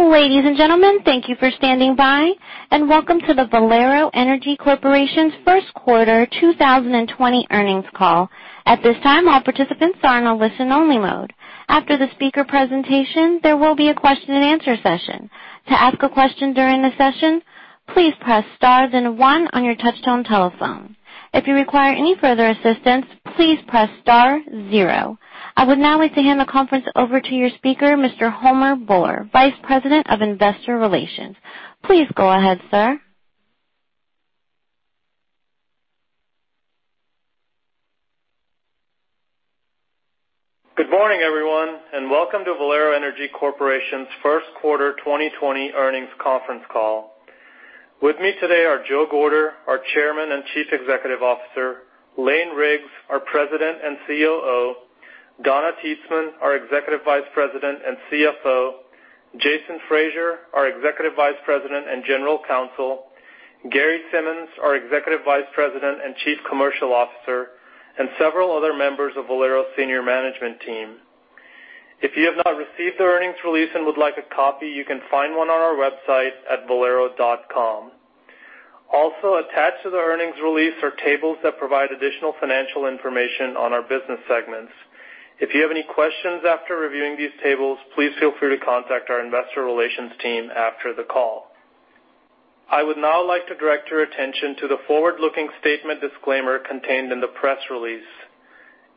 Ladies and gentlemen, thank you for standing by, and welcome to the Valero Energy Corporation's first quarter 2020 earnings call. At this time, all participants are in a listen-only mode. After the speaker presentation, there will be a question-and-answer session. To ask a question during the session, please press star then one on your touchtone telephone. If you require any further assistance, please press star zero. I would now like to hand the conference over to your speaker, Mr. Homer Bhullar, Vice President of Investor Relations. Please go ahead, sir. Good morning, everyone, and welcome to Valero Energy Corporation's first quarter 2020 earnings conference call. With me today are Joe Gorder, our Chairman and Chief Executive Officer; Lane Riggs, our President and COO; Donna Titzman, our Executive Vice President and CFO; Jason Fraser, our Executive Vice President and General Counsel; Gary Simmons, our Executive Vice President and Chief Commercial Officer; and several other members of Valero senior management team. If you have not received the earnings release and would like a copy, you can find one on our website at valero.com. Attached to the earnings release are tables that provide additional financial information on our business segments. If you have any questions after reviewing these tables, please feel free to contact our investor relations team after the call. I would now like to direct your attention to the forward-looking statement disclaimer contained in the press release.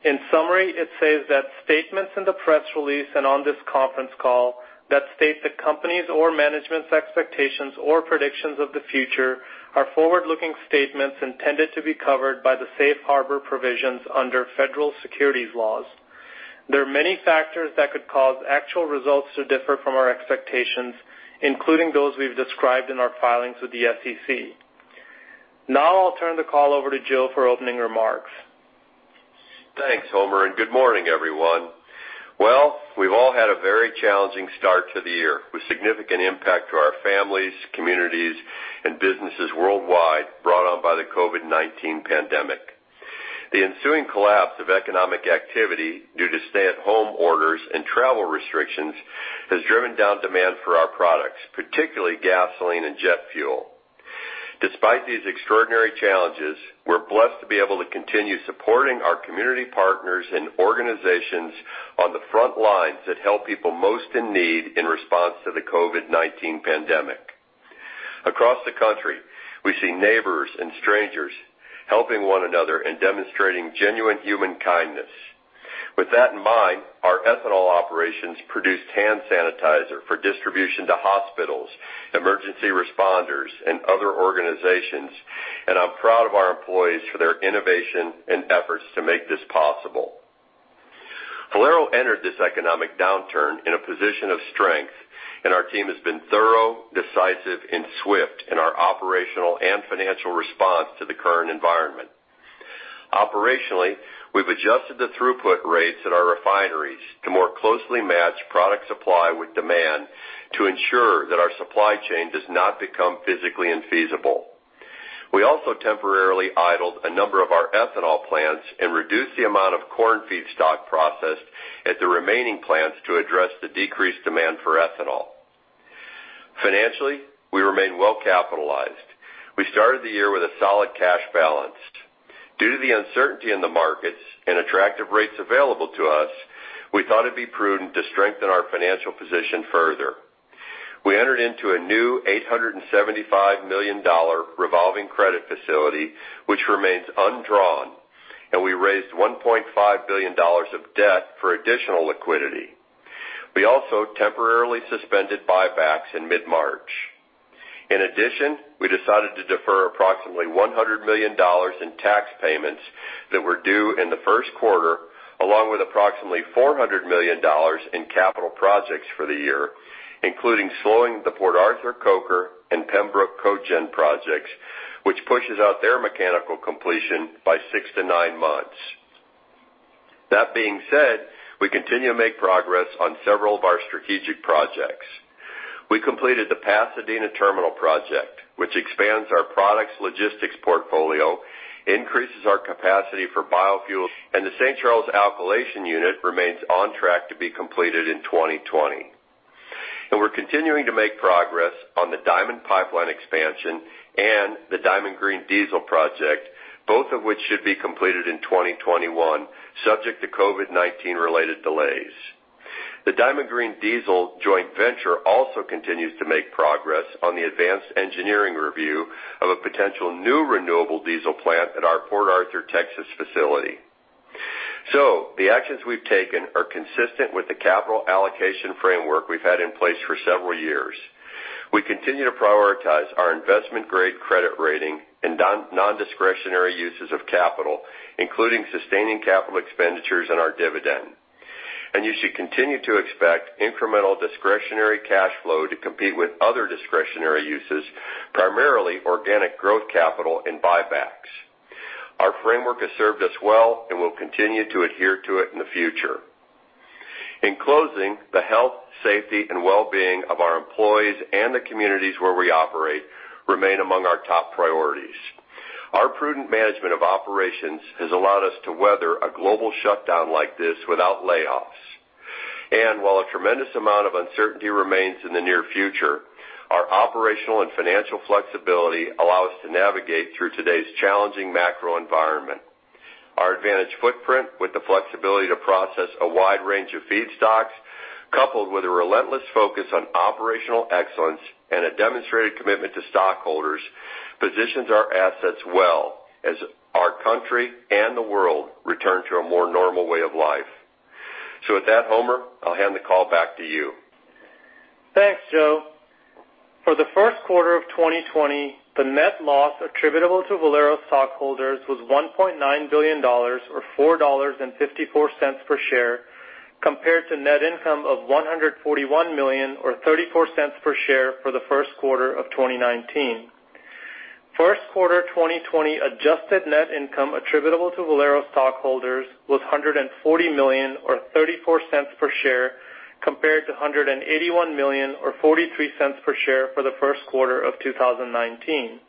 In summary, it says that statements in the press release and on this conference call that state the company's or management's expectations or predictions of the future are forward-looking statements intended to be covered by the safe harbor provisions under federal securities laws. There are many factors that could cause actual results to differ from our expectations, including those we've described in our filings with the SEC. I'll turn the call over to Joe for opening remarks. Thanks, Homer, good morning, everyone. Well, we've all had a very challenging start to the year, with significant impact to our families, communities, and businesses worldwide brought on by the COVID-19 pandemic. The ensuing collapse of economic activity due to stay-at-home orders and travel restrictions has driven down demand for our products, particularly gasoline and jet fuel. Despite these extraordinary challenges, we're blessed to be able to continue supporting our community partners and organizations on the front lines that help people most in need in response to the COVID-19 pandemic. Across the country, we see neighbors and strangers helping one another and demonstrating genuine human kindness. With that in mind, our ethanol operations produced hand sanitizer for distribution to hospitals, emergency responders, and other organizations, and I'm proud of our employees for their innovation and efforts to make this possible. Valero entered this economic downturn in a position of strength, and our team has been thorough, decisive, and swift in our operational and financial response to the current environment. Operationally, we've adjusted the throughput rates at our refineries to more closely match product supply with demand to ensure that our supply chain does not become physically infeasible. We also temporarily idled a number of our ethanol plants and reduced the amount of corn feedstock processed at the remaining plants to address the decreased demand for ethanol. Financially, we remain well-capitalized. We started the year with a solid cash balance. Due to the uncertainty in the markets and attractive rates available to us, we thought it'd be prudent to strengthen our financial position further. We entered into a new $875 million revolving credit facility, which remains undrawn, and we raised $1.5 billion of debt for additional liquidity. We also temporarily suspended buybacks in mid-March. In addition, we decided to defer approximately $100 million in tax payments that were due in the first quarter, along with approximately $400 million in capital projects for the year, including slowing the Port Arthur coker and Pembroke cogen projects, which pushes out their mechanical completion by six to nine months. That being said, we continue to make progress on several of our strategic projects. We completed the Pasadena Terminal project, which expands our products logistics portfolio, increases our capacity for biofuels, and the St. Charles Alkylation unit remains on track to be completed in 2020. We're continuing to make progress on the Diamond Pipeline expansion and the Diamond Green Diesel project, both of which should be completed in 2021, subject to COVID-19 related delays. The Diamond Green Diesel joint venture also continues to make progress on the advanced engineering review of a potential new renewable diesel plant at our Port Arthur, Texas facility. The actions we've taken are consistent with the capital allocation framework we've had in place for several years. We continue to prioritize our investment-grade credit rating and non-discretionary uses of capital, including sustaining capital expenditures and our dividend. You should continue to expect incremental discretionary cash flow to compete with other discretionary uses, primarily organic growth capital and buybacks. Our framework has served us well, and we'll continue to adhere to it in the future. In closing, the health, safety, and well-being of our employees and the communities where we operate remain among our top priorities. Our prudent management of operations has allowed us to weather a global shutdown like this without layoffs. While a tremendous amount of uncertainty remains in the near future, our operational and financial flexibility allow us to navigate through today's challenging macro environment. Our advantage footprint with the flexibility to process a wide range of feedstocks, coupled with a relentless focus on operational excellence and a demonstrated commitment to stockholders, positions our assets well as our country and the world return to a more normal way of life. With that, Homer, I'll hand the call back to you. Thanks, Joe. For the first quarter of 2020, the net loss attributable to Valero stockholders was $1.9 billion, or $4.54 per share, compared to net income of $141 million, or $0.34 per share for the first quarter of 2019. First quarter 2020 adjusted net income attributable to Valero stockholders was $140 million, or $0.34 per share, compared to $181 million, or $0.43 per share for the first quarter of 2019.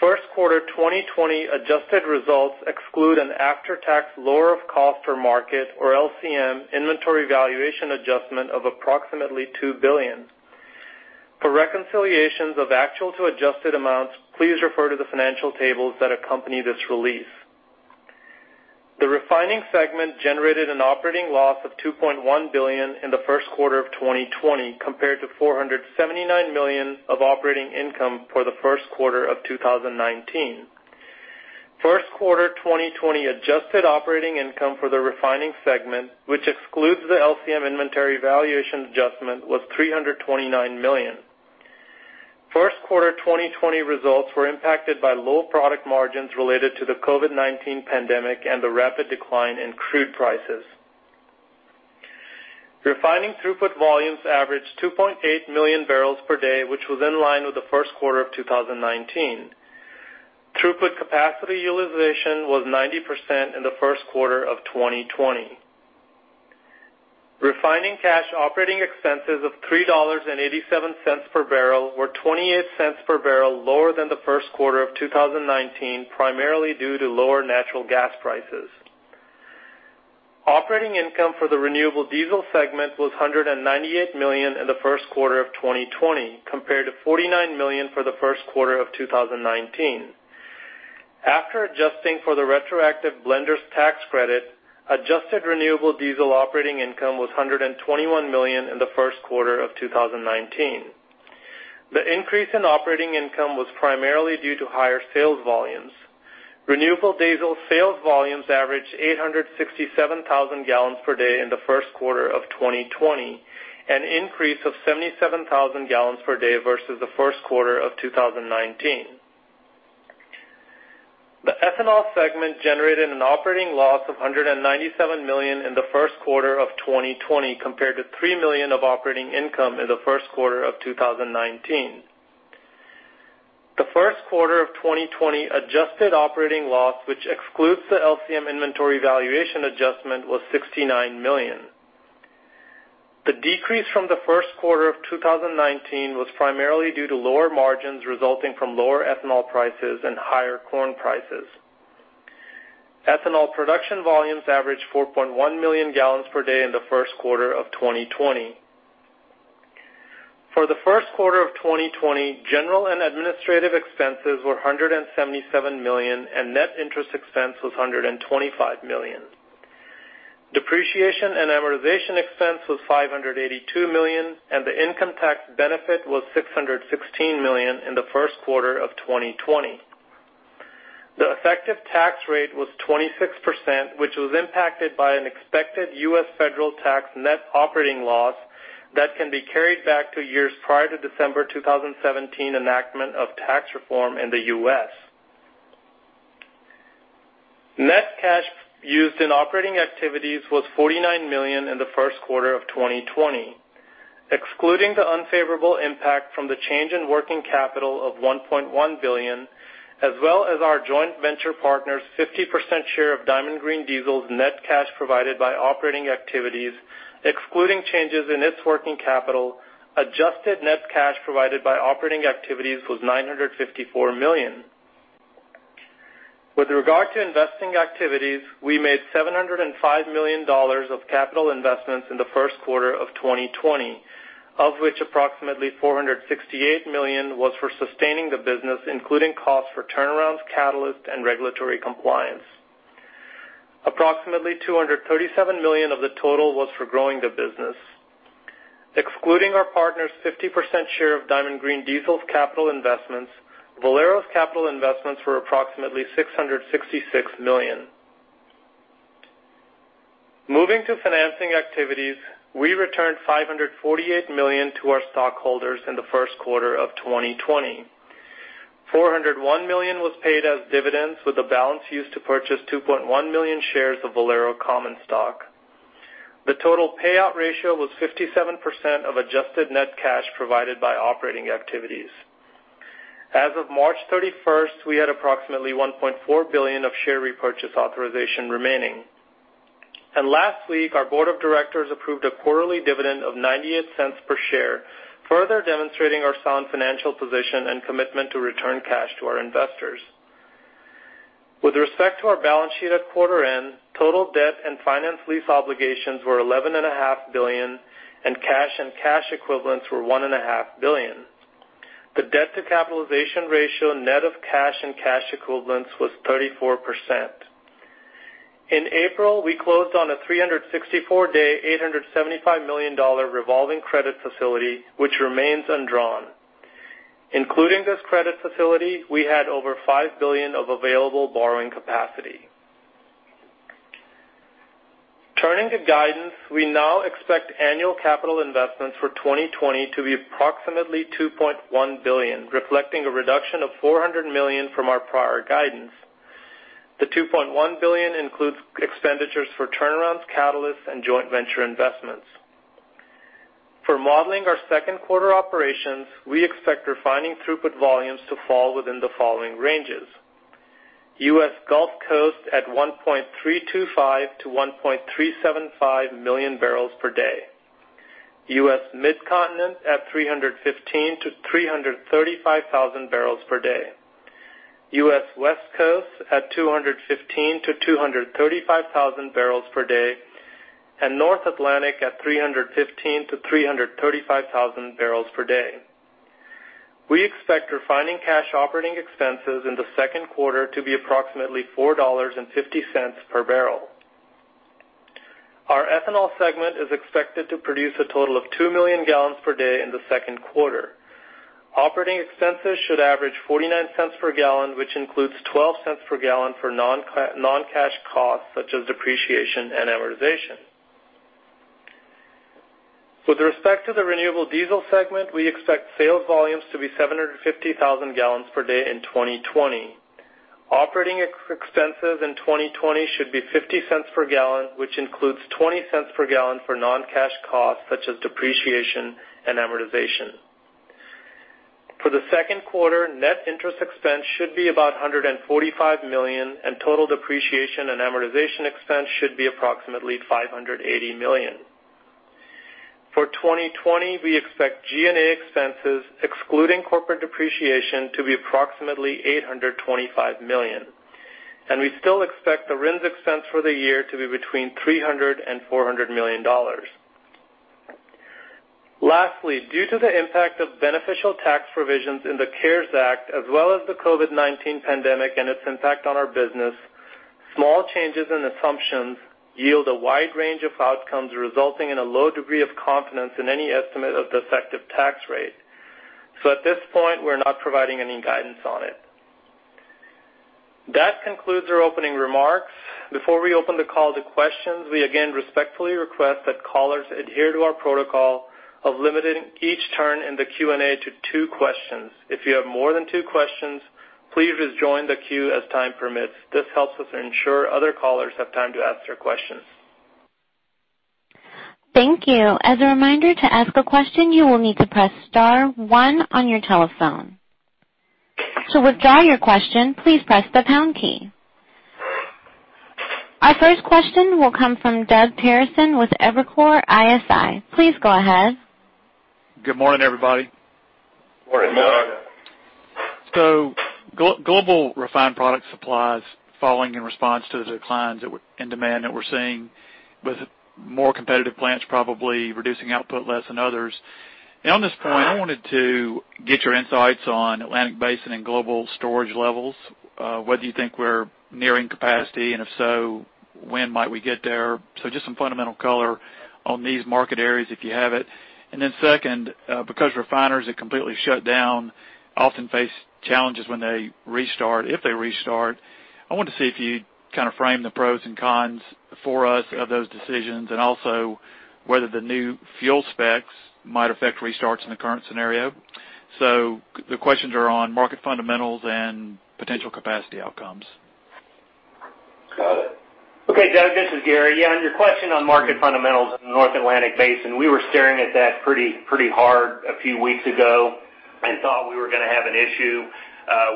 First quarter 2020 adjusted results exclude an after-tax lower of cost or market, or LCM, inventory valuation adjustment of approximately $2 billion. For reconciliations of actual to adjusted amounts, please refer to the financial tables that accompany this release. The refining segment generated an operating loss of $2.1 billion in the first quarter of 2020, compared to $479 million of operating income for the first quarter of 2019. First quarter 2020 adjusted operating income for the refining segment, which excludes the LCM inventory valuation adjustment, was $329 million. First quarter 2020 results were impacted by low product margins related to the COVID-19 pandemic and the rapid decline in crude prices. Refining throughput volumes averaged 2.8 MMbpd, which was in line with the first quarter of 2019. Throughput capacity utilization was 90% in the first quarter of 2020. Refining cash operating expenses of $3.87 per barrel were $0.28 per barrel lower than the first quarter of 2019, primarily due to lower natural gas prices. Operating income for the renewable diesel segment was $198 million in the first quarter of 2020, compared to $49 million for the first quarter of 2019. After adjusting for the retroactive Blender's Tax Credit, adjusted renewable diesel operating income was $121 million in the first quarter of 2019. The increase in operating income was primarily due to higher sales volumes. Renewable diesel sales volumes averaged 867,000 gallons per day in the first quarter of 2020, an increase of 77,000 gallons per day versus the first quarter of 2019. The ethanol segment generated an operating loss of $197 million in the first quarter of 2020, compared to $3 million of operating income in the first quarter of 2019. The first quarter of 2020 adjusted operating loss, which excludes the LCM inventory valuation adjustment, was $69 million. The decrease from the first quarter of 2019 was primarily due to lower margins resulting from lower ethanol prices and higher corn prices. Ethanol production volumes averaged 4.1 million gallons per day in the first quarter of 2020. For the first quarter of 2020, general and administrative expenses were $177 million, and net interest expense was $125 million. Depreciation and amortization expense was $582 million, and the income tax benefit was $616 million in the first quarter of 2020. The effective tax rate was 26%, which was impacted by an expected U.S. federal tax net operating loss that can be carried back to years prior to December 2017 enactment of tax reform in the U.S. Net cash used in operating activities was $49 million in the first quarter of 2020. Excluding the unfavorable impact from the change in working capital of $1.1 billion, as well as our joint venture partner's 50% share of Diamond Green Diesel's net cash provided by operating activities, excluding changes in its working capital, adjusted net cash provided by operating activities was $954 million. With regard to investing activities, we made $705 million of capital investments in the first quarter of 2020, of which approximately $468 million was for sustaining the business, including costs for turnarounds, catalysts, and regulatory compliance. Approximately $237 million of the total was for growing the business. Excluding our partner's 50% share of Diamond Green Diesel's capital investments, Valero's capital investments were approximately $666 million. Moving to financing activities, we returned $548 million to our stockholders in the first quarter of 2020. $401 million was paid as dividends, with the balance used to purchase 2.1 million shares of Valero common stock. The total payout ratio was 57% of adjusted net cash provided by operating activities. As of March 31st, we had approximately $1.4 billion of share repurchase authorization remaining. Last week, our board of directors approved a quarterly dividend of $0.98 per share, further demonstrating our sound financial position and commitment to return cash to our investors. With respect to our balance sheet at quarter end, total debt and finance lease obligations were $11.5 billion, and cash and cash equivalents were $1.5 billion. The debt-to-capitalization ratio, net of cash and cash equivalents, was 34%. In April, we closed on a 364-day, $875 million revolving credit facility, which remains undrawn. Including this credit facility, we had over $5 billion of available borrowing capacity. Turning to guidance, we now expect annual capital investments for 2020 to be approximately $2.1 billion, reflecting a reduction of $400 million from our prior guidance. The $2.1 billion includes expenditures for turnarounds, catalysts, and joint venture investments. For modeling our second quarter operations, we expect refining throughput volumes to fall within the following ranges: U.S. Gulf Coast at 1.325 MMbpd-1.375 MMbpd, U.S. Midcontinent at 315,000 bpd-335,000 bpd, U.S. West Coast at 215,000 bpd-235,000 bpd, North Atlantic at 315,000 bpd-335,000 bpd. We expect refining cash operating expenses in the second quarter to be approximately $4.50 per barrel. Our ethanol segment is expected to produce a total of 2 million gallons per day in the second quarter. Operating expenses should average $0.49 per gallon, which includes $0.12 per gallon for non-cash costs such as depreciation and amortization. With respect to the renewable diesel segment, we expect sales volumes to be 750,000 gallons per day in 2020. Operating expenses in 2020 should be $0.50 per gallon, which includes $0.20 per gallon for non-cash costs such as depreciation and amortization. For the second quarter, net interest expense should be about $145 million, and total depreciation and amortization expense should be approximately $580 million. For 2020, we expect G&A expenses, excluding corporate depreciation, to be approximately $825 million, and we still expect the RINs expense for the year to be between $300 million and $400 million. Lastly, due to the impact of beneficial tax provisions in the CARES Act, as well as the COVID-19 pandemic and its impact on our business, small changes in assumptions yield a wide range of outcomes, resulting in a low degree of confidence in any estimate of the effective tax rate. At this point, we're not providing any guidance on it. That concludes our opening remarks. Before we open the call to questions, we again respectfully request that callers adhere to our protocol of limiting each turn in the Q&A to two questions. If you have more than two questions, please rejoin the queue as time permits. This helps us ensure other callers have time to ask their questions. Thank you. As a reminder, to ask a question, you will need to press star one on your telephone. To withdraw your question, please press the pound key. Our first question will come from Doug Terreson with Evercore ISI. Please go ahead. Good morning, everybody. Morning, Doug. Global refined product supplies falling in response to the declines in demand that we're seeing, with more competitive plants probably reducing output less than others. On this point, I wanted to get your insights on Atlantic Basin and global storage levels, whether you think we're nearing capacity, and if so, when might we get there. Just some fundamental color on these market areas, if you have it. Then second, because refineries that completely shut down often face challenges when they restart, if they restart, I wanted to see if you'd frame the pros and cons for us of those decisions, and also whether the new fuel specs might affect restarts in the current scenario. The questions are on market fundamentals and potential capacity outcomes. Okay, Doug, this is Gary. Yeah, on your question on market fundamentals in the North Atlantic Basin, we were staring at that pretty hard a few weeks ago and thought we were going to have an issue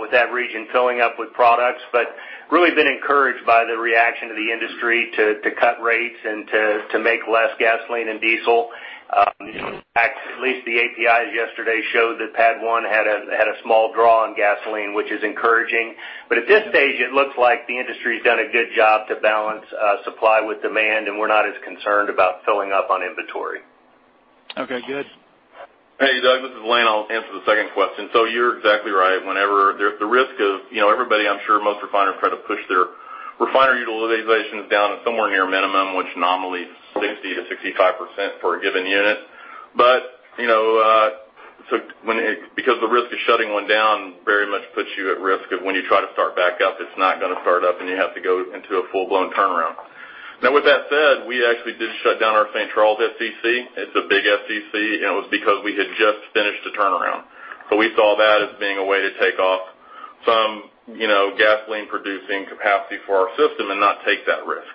with that region filling up with products, but really been encouraged by the reaction of the industry to cut rates and to make less gasoline and diesel. At least the APIs yesterday showed that PADD 1 had a small draw on gasoline, which is encouraging. At this stage, it looks like the industry's done a good job to balance supply with demand, and we're not as concerned about filling up on inventory. Okay, good. Hey, Doug, this is Lane. I'll answer the second question. You're exactly right. Whenever there's the risk, I'm sure most refiners try to push their refinery utilizations down to somewhere near minimum, which normally is 60%-65% for a given unit. Because the risk of shutting one down very much puts you at risk of when you try to start back up, it's not going to start up and you have to go into a full-blown turnaround. Now, with that said, we actually did shut down our St. Charles FCC. It's a big FCC, and it was because we had just finished a turnaround. We saw that as being a way to take off some gasoline-producing capacity for our system and not take that risk.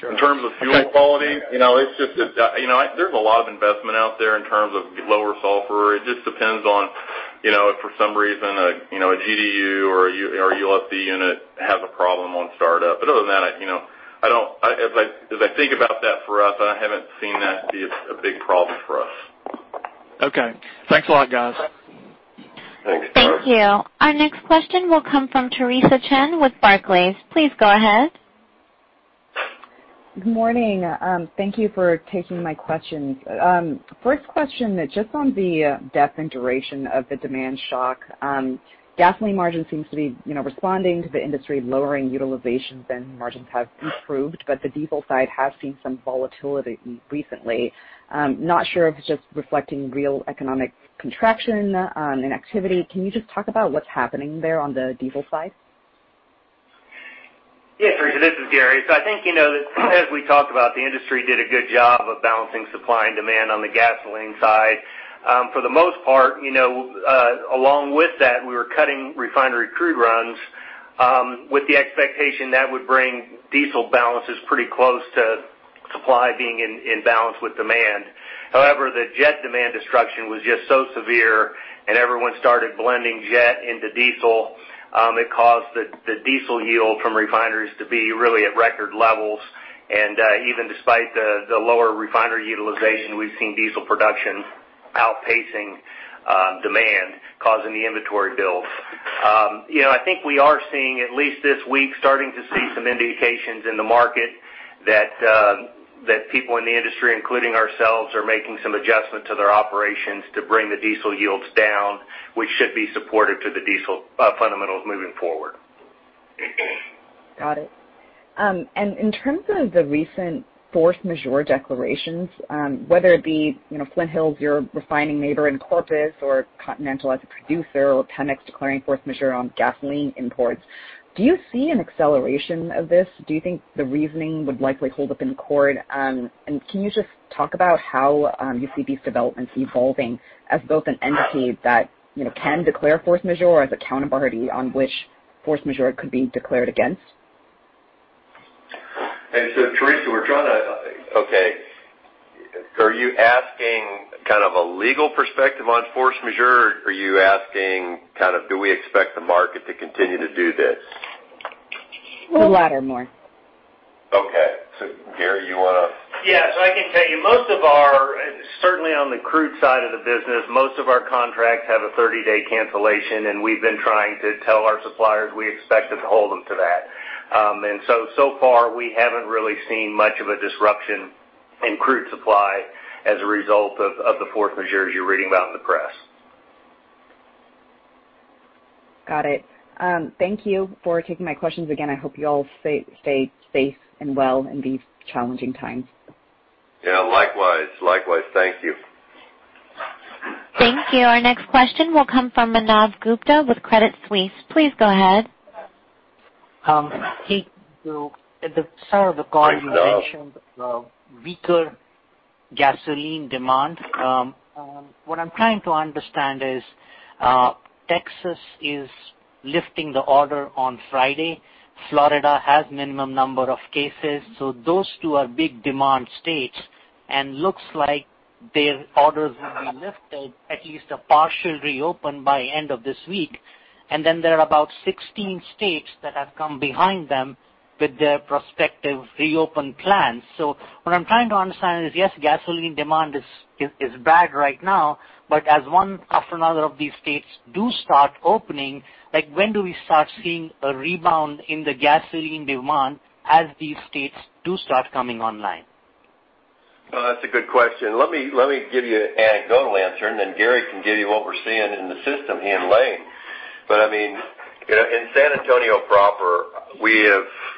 Sure. In terms of fuel quality, there's a lot of investment out there in terms of lower sulfur. It just depends on for some reason a GDU or ULSD unit has a problem on startup. Other than that, as I think about that for us, I haven't seen that be a big problem for us. Okay. Thanks a lot, guys. Thanks, Doug. Thank you. Our next question will come from Theresa Chen with Barclays. Please go ahead. Good morning. Thank you for taking my questions. First question, just on the depth and duration of the demand shock. Gasoline margin seems to be responding to the industry lowering utilization, then margins have improved, but the diesel side has seen some volatility recently. Not sure if it's just reflecting real economic contraction on an activity. Can you just talk about what's happening there on the diesel side? Yes, Theresa, this is Gary. I think, as we talked about, the industry did a good job of balancing supply and demand on the gasoline side. For the most part, along with that, we were cutting refinery crude runs with the expectation that would bring diesel balances pretty close to supply being in balance with demand. However, the jet demand destruction was just so severe and everyone started blending jet into diesel. It caused the diesel yield from refineries to be really at record levels. Even despite the lower refinery utilization, we've seen diesel production outpacing demand, causing the inventory build. I think we are seeing, at least this week, starting to see some indications in the market that people in the industry, including ourselves, are making some adjustments to their operations to bring the diesel yields down, which should be supportive to the diesel fundamentals moving forward. Got it. In terms of the recent force majeure declarations, whether it be Flint Hills, your refining neighbor in Corpus, or Continental as a producer, or Pemex declaring force majeure on gasoline imports, do you see an acceleration of this? Do you think the reasoning would likely hold up in court? Can you just talk about how you see these developments evolving as both an entity that can declare force majeure as a counterparty on which force majeure could be declared against? Theresa, are you asking kind of a legal perspective on force majeure, or are you asking do we expect the market to continue to do this? The latter more. Okay. Gary, you want to? Yeah. I can tell you certainly on the crude side of the business, most of our contracts have a 30-day cancellation, and we've been trying to tell our suppliers we expect them to hold them to that. So far, we haven't really seen much of a disruption in crude supply as a result of the force majeures you're reading about in the press. Got it. Thank you for taking my questions again. I hope you all stay safe and well in these challenging times. Yeah, likewise. Thank you. Thank you. Our next question will come from Manav Gupta with Credit Suisse. Please go ahead. Hey. At the start of the call. Hey, Manav. You mentioned weaker gasoline demand. What I'm trying to understand is Texas is lifting the order on Friday. Florida has minimum number of cases. Those two are big demand states and looks like their orders will be lifted at least a partial reopen by end of this week. There are about 16 states that have come behind them with their prospective reopen plans. What I'm trying to understand is, yes, gasoline demand is bad right now. As one after another of these states do start opening, when do we start seeing a rebound in the gasoline demand as these states do start coming online? That's a good question. Let me give you an anecdotal answer. Gary can give you what we're seeing in the system, he and Lane. In San Antonio proper,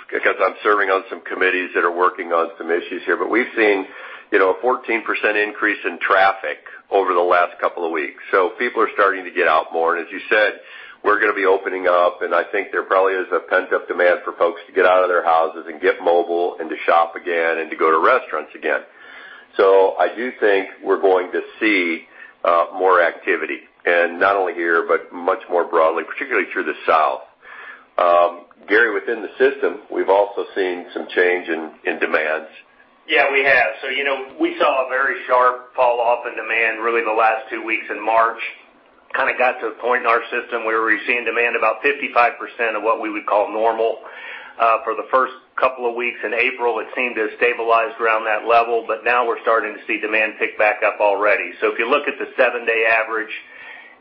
because I'm serving on some committees that are working on some issues here, we've seen a 14% increase in traffic over the last couple of weeks. People are starting to get out more. As you said, we're going to be opening up, and I think there probably is a pent-up demand for folks to get out of their houses and get mobile and to shop again and to go to restaurants again. I do think we're going to see more activity, and not only here, but much more broadly, particularly through the South. Gary, within the system, we've also seen some change in demands. Yeah, we have. We saw a very sharp fall off in demand really in the last two weeks in March. Kind of got to a point in our system where we were seeing demand about 55% of what we would call normal. For the first couple of weeks in April, it seemed to have stabilized around that level, but now we're starting to see demand pick back up already. If you look at the seven-day average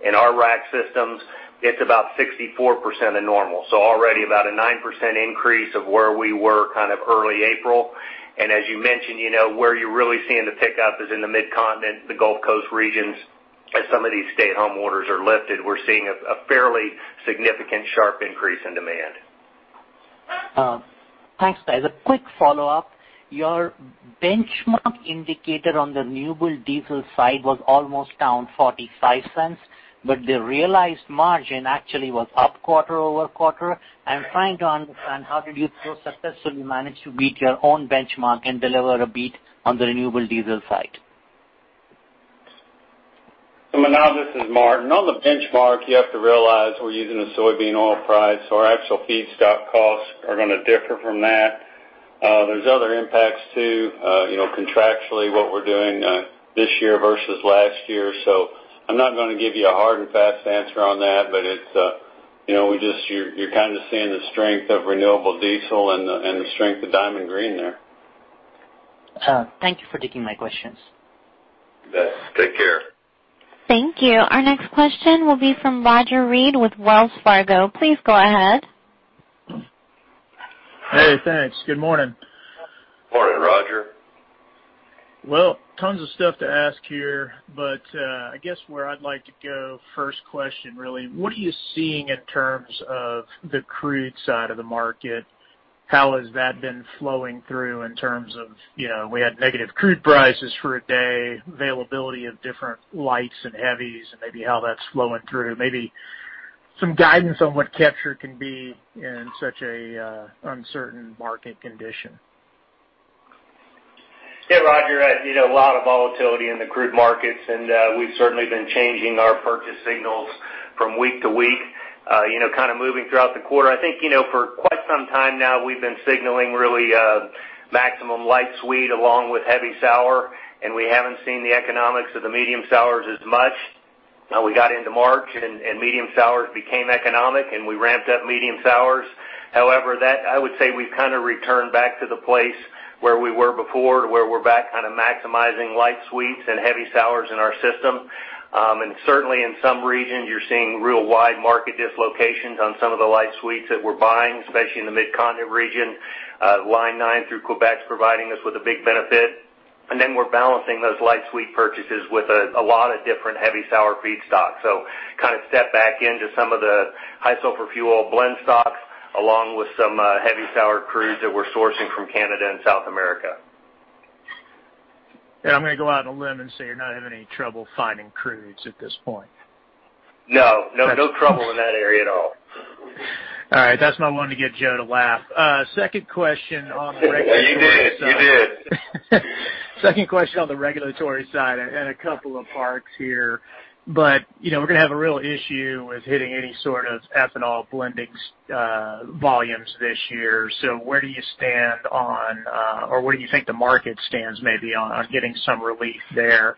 in our rack systems, it's about 64% of normal. Already about a 9% increase of where we were early April. As you mentioned, where you're really seeing the pickup is in the mid-continent, the Gulf Coast regions. As some of these stay-at-home orders are lifted, we're seeing a fairly significant sharp increase in demand. Thanks, guys. A quick follow-up. Your benchmark indicator on the renewable diesel side was almost down $0.45, but the realized margin actually was up quarter-over-quarter. I'm trying to understand how did you so successfully manage to beat your own benchmark and deliver a beat on the renewable diesel side? Manav, this is Martin. On the benchmark, you have to realize we're using the soybean oil price, so our actual feedstock costs are going to differ from that. There's other impacts too, contractually what we're doing this year versus last year. I'm not going to give you a hard and fast answer on that, but you're kind of seeing the strength of renewable diesel and the strength of Diamond Green there. Thank you for taking my questions. Yes. Take care. Thank you. Our next question will be from Roger Read with Wells Fargo. Please go ahead. Hey, thanks. Good morning. Morning, Roger. Well, tons of stuff to ask here. I guess where I'd like to go, first question, really, what are you seeing in terms of the crude side of the market? How has that been flowing through in terms of, we had negative crude prices for a day, availability of different lights and heavies, and maybe how that's flowing through. Maybe some guidance on what capture can be in such an uncertain market condition. Yeah, Roger, a lot of volatility in the crude markets, and we've certainly been changing our purchase signals from week to week, kind of moving throughout the quarter. I think for quite some time now, we've been signaling really maximum light sweet along with heavy sour, and we haven't seen the economics of the medium sours as much. We got into March, and medium sours became economic, and we ramped up medium sours. However, I would say we've kind of returned back to the place where we were before, to where we're back kind of maximizing light sweets and heavy sours in our system. Certainly in some regions, you're seeing real wide market dislocations on some of the light sweets that we're buying, especially in the Mid-Continent region. Line 9 through Quebec's providing us with a big benefit. We're balancing those light sweet purchases with a lot of different heavy sour feedstock. Kind of step back into some of the high sulfur fuel blend stocks, along with some heavy sour crudes that we're sourcing from Canada and South America. I'm going to go out on a limb and say you're not having any trouble finding crudes at this point. No. No trouble in that area at all. All right. That's my one to get Joe to laugh. Second question on the regulatory side. You did. Second question on the regulatory side and a couple of parts here. We're going to have a real issue with hitting any sort of ethanol blending volumes this year. Where do you stand on, or where do you think the market stands maybe on getting some relief there?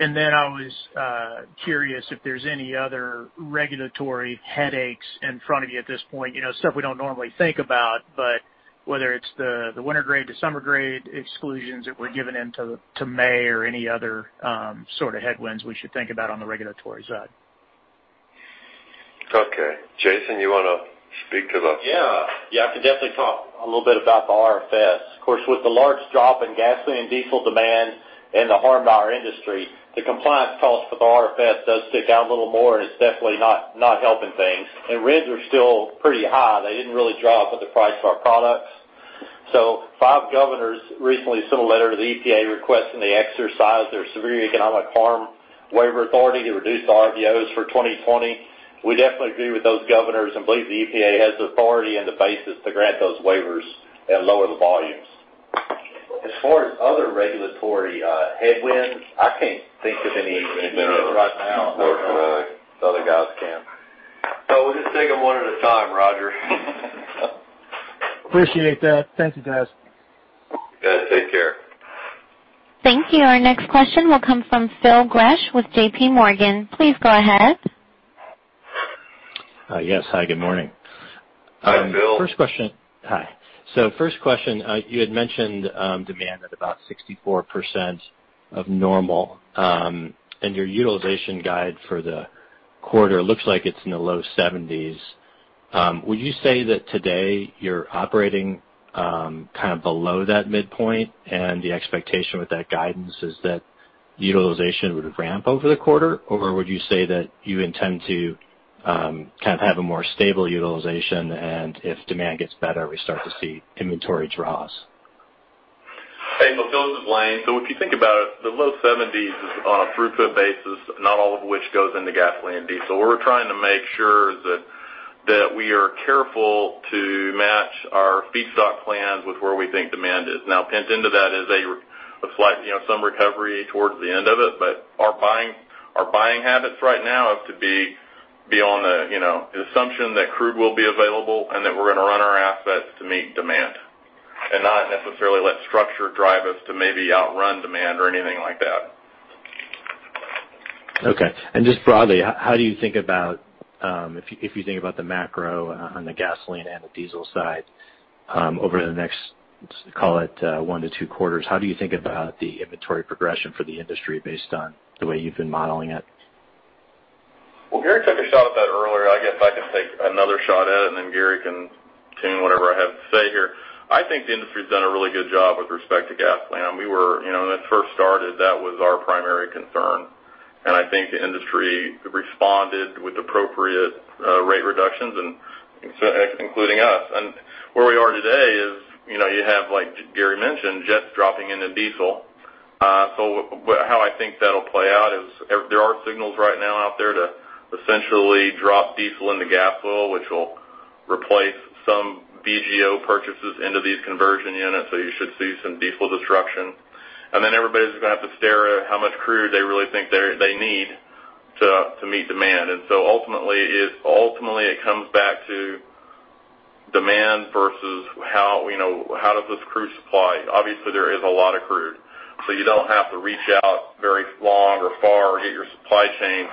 I was curious if there's any other regulatory headaches in front of you at this point, stuff we don't normally think about, but whether it's the winter-grade to summer-grade exclusions that we're giving into May or any other sort of headwinds we should think about on the regulatory side. Okay. Jason, you wanna speak to that? Yeah. I can definitely talk a little bit about the RFS. Of course, with the large drop in gasoline and diesel demand and the harm to our industry, the compliance cost for the RFS does stick out a little more, and it's definitely not helping things. RINs are still pretty high. They didn't really drop with the price of our products. Five governors recently sent a letter to the EPA requesting they exercise their severe economic harm waiver authority to reduce the RVOs for 2020. We definitely agree with those governors and believe the EPA has the authority and the basis to grant those waivers and lower the volumes. As far as other regulatory headwinds, I can't think of any right now. Nor can I. Other guys can. We'll just take them one at a time, Roger. Appreciate that. Thank you, guys. Take care. Thank you. Our next question will come from Phil Gresh with JPMorgan. Please go ahead. Yes. Hi, good morning. Hi, Phil. Hi. First question, you had mentioned demand at about 64% of normal. Your utilization guide for the quarter looks like it's in the low 70s. Would you say that today you're operating kind of below that midpoint and the expectation with that guidance is that utilization would ramp over the quarter? Would you say that you intend to kind of have a more stable utilization, and if demand gets better, we start to see inventory draws? Hey, Phil. This is Lane. If you think about it, the low 70s is on a throughput basis, not all of which goes into gasoline and diesel. What we're trying to make sure is that we are careful to match our feedstock plans with where we think demand is. Pinned into that is some recovery towards the end of it. Our buying habits right now have to be on the assumption that crude will be available and that we're gonna run our assets to meet demand. Not necessarily let structure drive us to maybe outrun demand or anything like that. Okay. Just broadly, if you think about the macro on the gasoline and the diesel side over the next, call it one to two quarters, how do you think about the inventory progression for the industry based on the way you've been modeling it? Well, Gary took a shot at that earlier. I guess I can take another shot at it, and then Gary can tune whatever I have to say here. I think the industry's done a really good job with respect to gasoline. When this first started, that was our primary concern. I think the industry responded with appropriate rate reductions, including us. Where we are today is, you have, like Gary mentioned, jets dropping into diesel. How I think that'll play out is there are signals right now out there to essentially drop diesel into gas oil, which will replace some VGO purchases into these conversion units. You should see some diesel destruction. Everybody's gonna have to stare at how much crude they really think they need to meet demand. Ultimately, it comes back to demand versus how does this crude supply. Obviously, there is a lot of crude, so you don't have to reach out very long or far or get your supply chain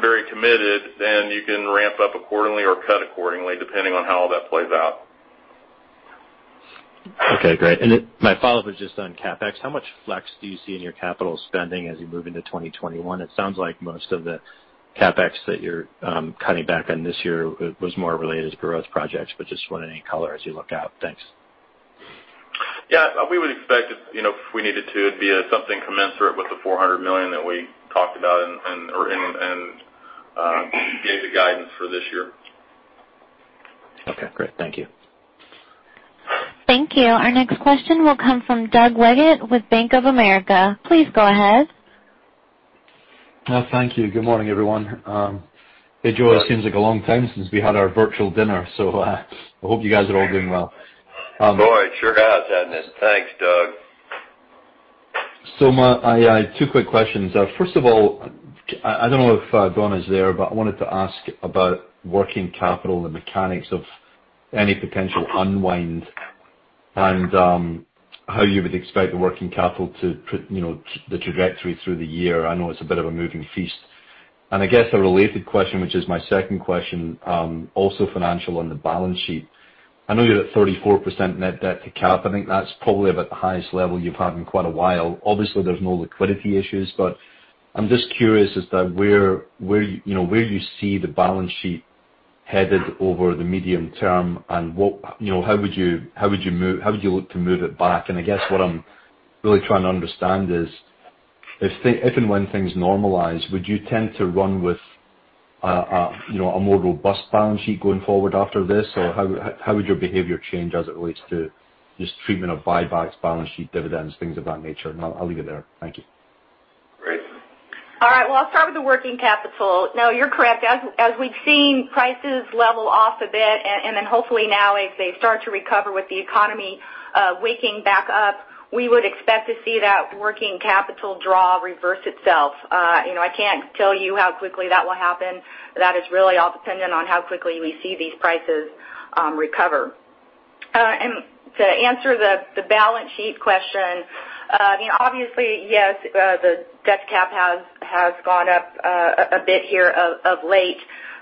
very committed, and you can ramp up accordingly or cut accordingly, depending on how all that plays out. Okay, great. My follow-up is just on CapEx. How much flex do you see in your capital spending as you move into 2021? It sounds like most of the CapEx that you're cutting back on this year was more related to growth projects, but just want any color as you look out. Thanks. We would expect if we needed to, it'd be something commensurate with the $400 million that we talked about and gave the guidance for this year. Okay, great. Thank you. Thank you. Our next question will come from Doug Leggate with Bank of America. Please go ahead. Thank you. Good morning, everyone. Hey, Joe, it seems like a long time since we had our virtual dinner, so I hope you guys are all doing well. Boy, it sure has, hasn't it? Thanks, Doug. I had two quick question. First of all, I don't know if Donna is there, but I wanted to ask about working capital, the mechanics of any potential unwind and how you would expect the working capital to the trajectory through the year? I know it's a bit of a moving feast. I guess a related question, which is my second question, also financial on the balance sheet. I know you're at 34% net debt to cap. I think that's probably about the highest level you've had in quite a while. Obviously, there's no liquidity issues, but I'm just curious as to where you see the balance sheet headed over the medium term and how would you look to move it back? I guess what I'm really trying to understand is, if and when things normalize, would you tend to run with a more robust balance sheet going forward after this? How would your behavior change as it relates to just treatment of buybacks, balance sheet dividends, things of that nature? I'll leave it there. Thank you. Great. All right. Well, I'll start with the working capital. No, you're correct. As we've seen prices level off a bit, and then hopefully now as they start to recover with the economy waking back up, we would expect to see that working capital draw reverse itself. I can't tell you how quickly that will happen. That is really all dependent on how quickly we see these prices recover. To answer the balance sheet question, obviously, yes, the debt cap has gone up a bit here of late.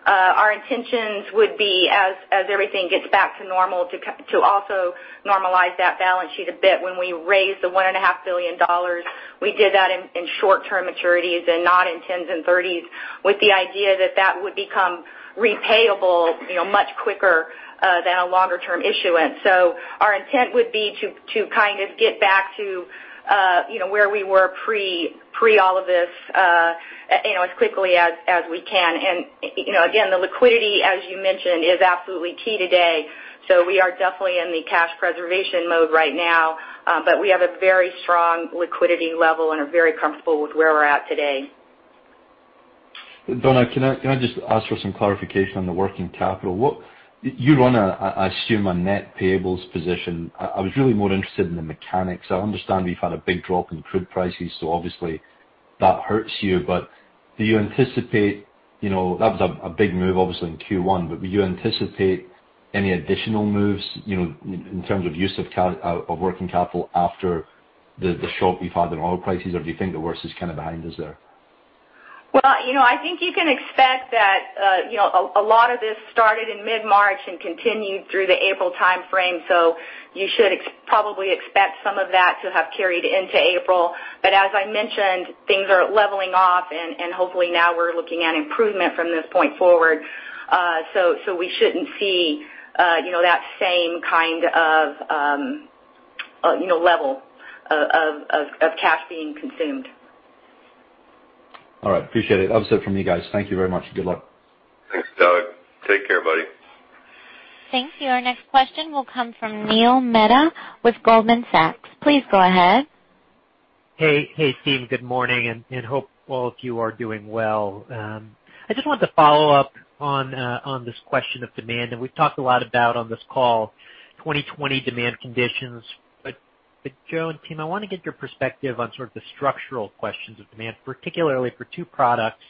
Our intentions would be, as everything gets back to normal, to also normalize that balance sheet a bit. When we raised the $1.5 billion, we did that in short-term maturities and not in 10s and 30s with the idea that that would become repayable much quicker than a longer-term issuance. Our intent would be to kind of get back to where we were pre all of this as quickly as we can. Again, the liquidity, as you mentioned, is absolutely key today. We are definitely in the cash preservation mode right now. We have a very strong liquidity level and are very comfortable with where we're at today. Donna, can I just ask for some clarification on the working capital? You run a, I assume, a net payables position. I was really more interested in the mechanics. I understand we've had a big drop in crude prices, so obviously that hurts you. That was a big move, obviously, in Q1. Do you anticipate any additional moves in terms of use of working capital after the shock we've had in oil prices? Do you think the worst is kind of behind us there? I think you can expect that a lot of this started in mid-March and continued through the April timeframe. You should probably expect some of that to have carried into April. As I mentioned, things are leveling off, and hopefully now we're looking at improvement from this point forward. We shouldn't see that same kind of level of cash being consumed. All right. Appreciate it. That was it from you guys. Thank you very much, and good luck. Thanks, Doug. Take care, buddy. Thank you. Our next question will come from Neil Mehta with Goldman Sachs. Please go ahead. Hey, team, good morning. Hope all of you are doing well. I just wanted to follow up on this question of demand, and we've talked a lot about on this call 2020 demand conditions. Joe and team, I want to get your perspective on sort of the structural questions of demand, particularly for two products,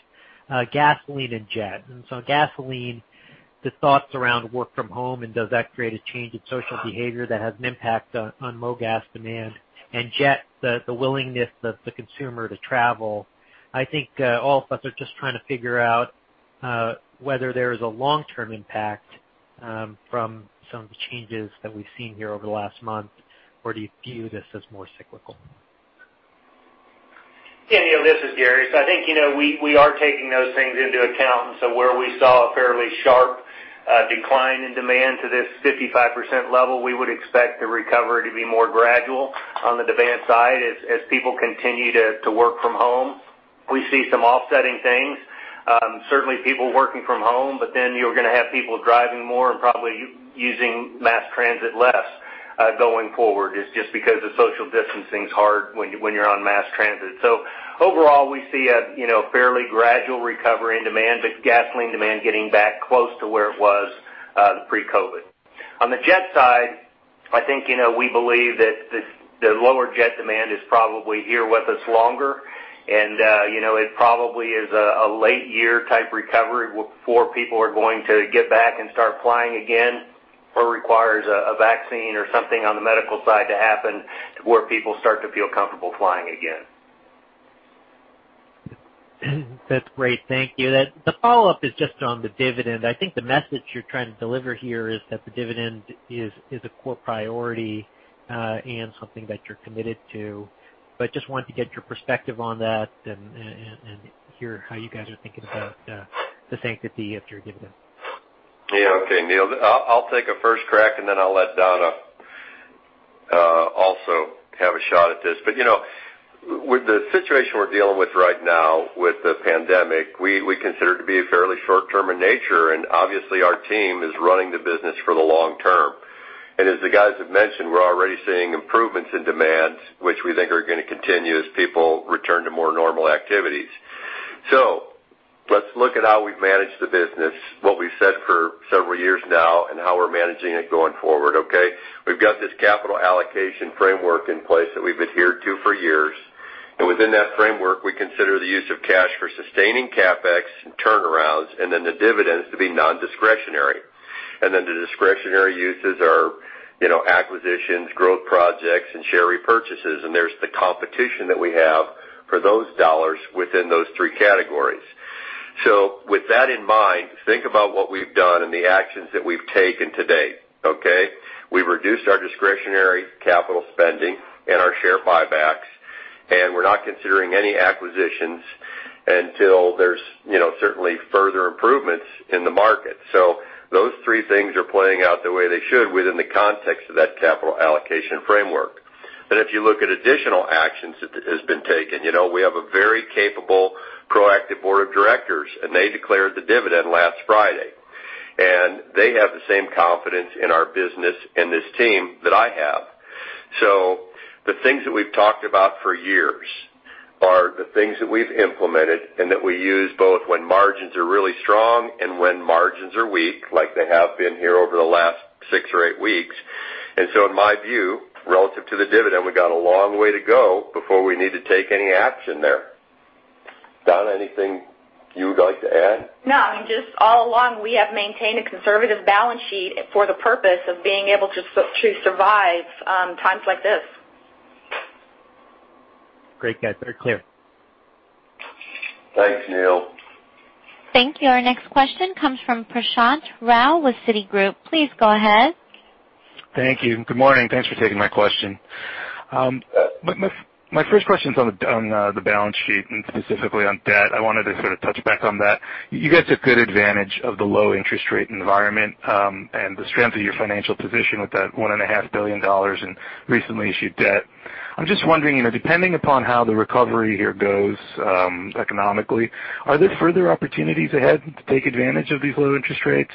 gasoline and jet. Gasoline, the thoughts around work from home, and does that create a change in social behavior that has an impact on more gas demand? Jet, the willingness of the consumer to travel. I think all of us are just trying to figure out whether there is a long-term impact from some of the changes that we've seen here over the last month, or do you view this as more cyclical? Yeah, Neil. This is Gary. I think we are taking those things into account, and so where we saw a fairly sharp decline in demand to this 55% level, we would expect the recovery to be more gradual on the demand side as people continue to work from home. We see some offsetting things. Certainly people working from home, but then you're going to have people driving more and probably using mass transit less going forward, just because the social distancing is hard when you're on mass transit. Overall, we see a fairly gradual recovery in demand, but gasoline demand getting back close to where it was pre-COVID. On the jet side, I think we believe that the lower jet demand is probably here with us longer. It probably is a late year type recovery before people are going to get back and start flying again, or requires a vaccine or something on the medical side to happen to where people start to feel comfortable flying again. That's great. Thank you. The follow-up is just on the dividend. I think the message you're trying to deliver here is that the dividend is a core priority and something that you're committed to. Just wanted to get your perspective on that and hear how you guys are thinking about the sanctity of your dividend. Okay, Neil. I'll take a first crack, and then I'll let Donna also have a shot at this. With the situation we're dealing with right now with the pandemic, we consider it to be fairly short-term in nature, and obviously our team is running the business for the long-term. As the guys have mentioned, we're already seeing improvements in demands, which we think are going to continue as people return to more normal activities. Let's look at how we've managed the business, what we've said for several years now, and how we're managing it going forward, okay? We've got this capital allocation framework in place that we've adhered to for years, and within that framework, we consider the use of cash for sustaining CapEx and turnarounds and then the dividends to be nondiscretionary. The discretionary uses are acquisitions, growth projects, and share repurchases. There's the competition that we have for those dollars within those three categories. With that in mind, think about what we've done and the actions that we've taken to date, okay? We've reduced our discretionary capital spending and our share buybacks, and we're not considering any acquisitions until there's certainly further improvements in the market. Those three things are playing out the way they should within the context of that capital allocation framework. If you look at additional actions that has been taken, we have a very capable, proactive Board of Directors, and they declared the dividend last Friday. They have the same confidence in our business and this team that I have. The things that we've talked about for years are the things that we've implemented and that we use both when margins are really strong and when margins are weak, like they have been here over the last six or eight weeks. In my view, relative to the dividend, we got a long way to go before we need to take any action there. Donna, anything you would like to add? No, I mean, just all along, we have maintained a conservative balance sheet for the purpose of being able to survive times like this. Great, guys. That's clear. Thanks, Neil. Thank you. Our next question comes from Prashant Rao with Citigroup. Please go ahead. Thank you. Good morning. Thanks for taking my question. My first question's on the balance sheet and specifically on debt. I wanted to sort of touch back on that. You guys took good advantage of the low interest rate environment and the strength of your financial position with that $1.5 billion in recently issued debt. I'm just wondering, depending upon how the recovery here goes economically, are there further opportunities ahead to take advantage of these low interest rates?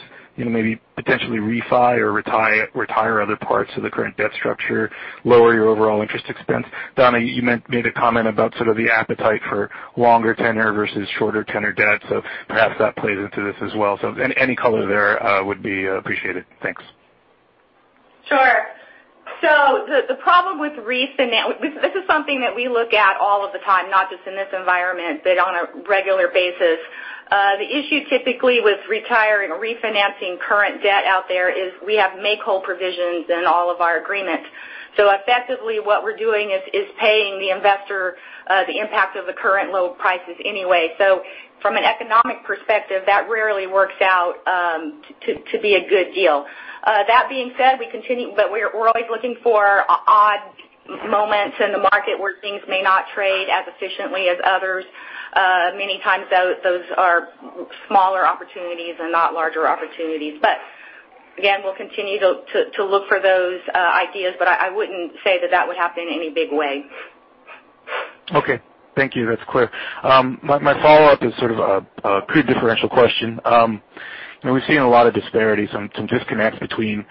Maybe potentially refi or retire other parts of the current debt structure, lower your overall interest expense? Donna, you made a comment about sort of the appetite for longer tenure versus shorter tenure debt, so perhaps that plays into this as well. Any color there would be appreciated. Thanks. Sure. The problem with, this is something that we look at all of the time, not just in this environment, but on a regular basis. The issue typically with retiring or refinancing current debt out there is we have make-whole provisions in all of our agreements. Effectively what we're doing is paying the investor the impact of the current low prices anyway. From an economic perspective, that rarely works out to be a good deal. That being said, we're always looking for odd moments in the market where things may not trade as efficiently as others. Many times those are smaller opportunities and not larger opportunities. Again, we'll continue to look for those ideas, but I wouldn't say that that would happen in any big way. Okay. Thank you. That's clear. My follow-up is sort of a crude differential question. We've seen a lot of disparities and some disconnects between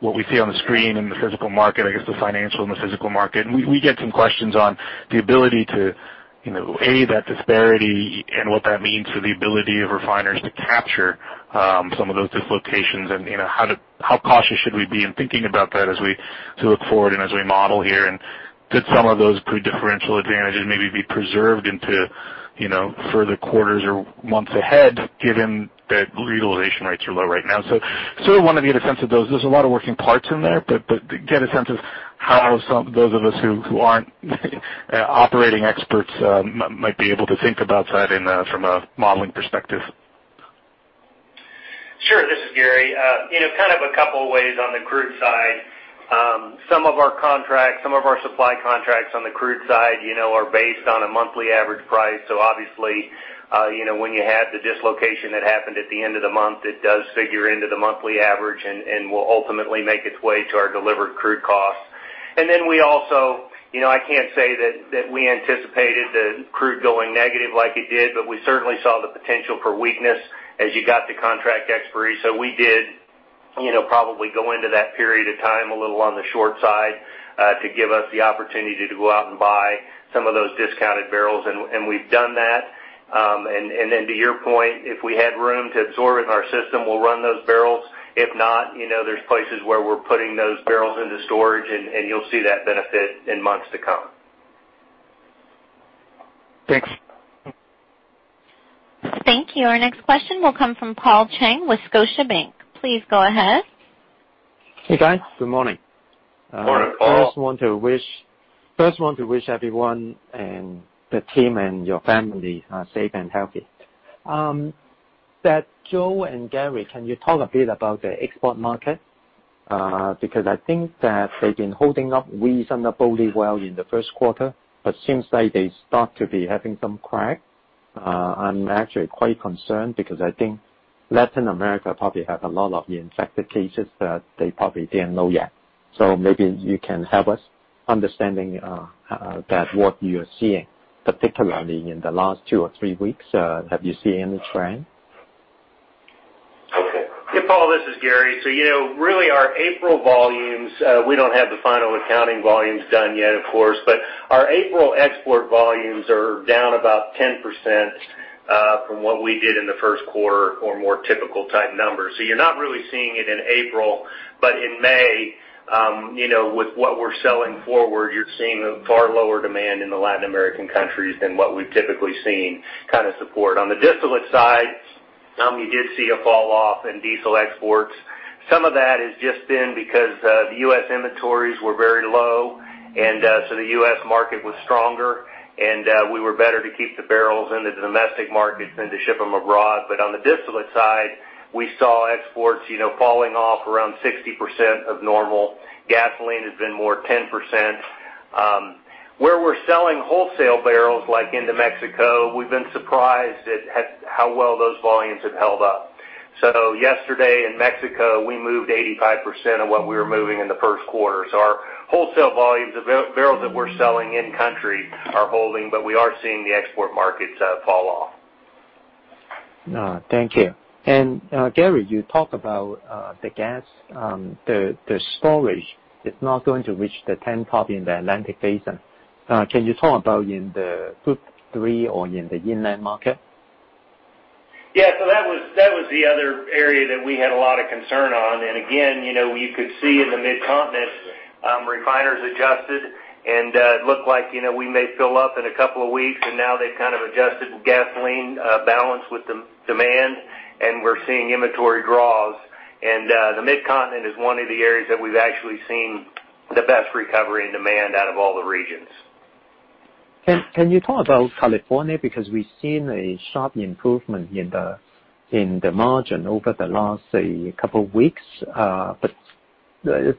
what we see on the screen and the physical market, I guess the financial and the physical market. We get some questions on the ability to, A, that disparity and what that means for the ability of refiners to capture some of those dislocations, and how cautious should we be in thinking about that as we look forward and as we model here? Could some of those crude differential advantages maybe be preserved into further quarters or months ahead, given that utilization rates are low right now. Sort of wanted to get a sense of those. There's a lot of working parts in there, but get a sense of how some those of us who aren't operating experts might be able to think about that from a modeling perspective. Sure. This is Gary. Kind of a couple ways on the crude side. Some of our supply contracts on the crude side are based on a monthly average price. Obviously, when you have the dislocation that happened at the end of the month, it does figure into the monthly average and will ultimately make its way to our delivered crude costs. I can't say that we anticipated the crude going negative like it did, but we certainly saw the potential for weakness as you got to contract expiry. We did probably go into that period of time a little on the short side to give us the opportunity to go out and buy some of those discounted barrels, and we've done that. To your point, if we had room to absorb in our system, we'll run those barrels. If not, there's places where we're putting those barrels into storage, and you'll see that benefit in months to come. Thanks. Thank you. Our next question will come from Paul Chen with Scotiabank. Please go ahead. Hey, guys. Good morning. Good morning, Paul. First I want to wish everyone and the team and your family are safe and healthy. That Joe and Gary, can you talk a bit about the export market? Because I think that they've been holding up reasonably well in the first quarter, seems like they start to be having some crack. I'm actually quite concerned because I think Latin America probably had a lot of the infected cases that they probably didn't know yet. Maybe you can help us understanding that what you're seeing, particularly in the last two or three weeks, have you seen any trend? Hey, Paul, this is Gary. Really our April volumes, we don't have the final accounting volumes done yet, of course, but our April export volumes are down about 10% from what we did in the first quarter or more typical type numbers. You're not really seeing it in April, but in May, with what we're selling forward, you're seeing a far lower demand in the Latin American countries than what we've typically seen kind of support. On the distillate side, you did see a fall off in diesel exports. Some of that has just been because the U.S. inventories were very low, and so the U.S. market was stronger, and we were better to keep the barrels in the domestic markets than to ship them abroad. On the distillate side, we saw exports falling off around 60% of normal. Gasoline has been more 10%. Where we're selling wholesale barrels, like into Mexico, we've been surprised at how well those volumes have held up. Yesterday in Mexico, we moved 85% of what we were moving in the first quarter. Our wholesale volumes of barrels that we're selling in country are holding, but we are seeing the export markets fall off. Thank you. Gary, you talked about the gas, the storage is not going to reach the 10 top in the Atlantic basin. Can you talk about in the top three or in the inland market? Yeah. That was the other area that we had a lot of concern on. Again, you could see in the Mid-Continent, refiners adjusted and looked like we may fill up in a couple of weeks, and now they've kind of adjusted gasoline balance with demand, and we're seeing inventory draws. The Mid-Continent is one of the areas that we've actually seen the best recovery in demand out of all the regions. Can you talk about California? We've seen a sharp improvement in the margin over the last, say, couple weeks. Is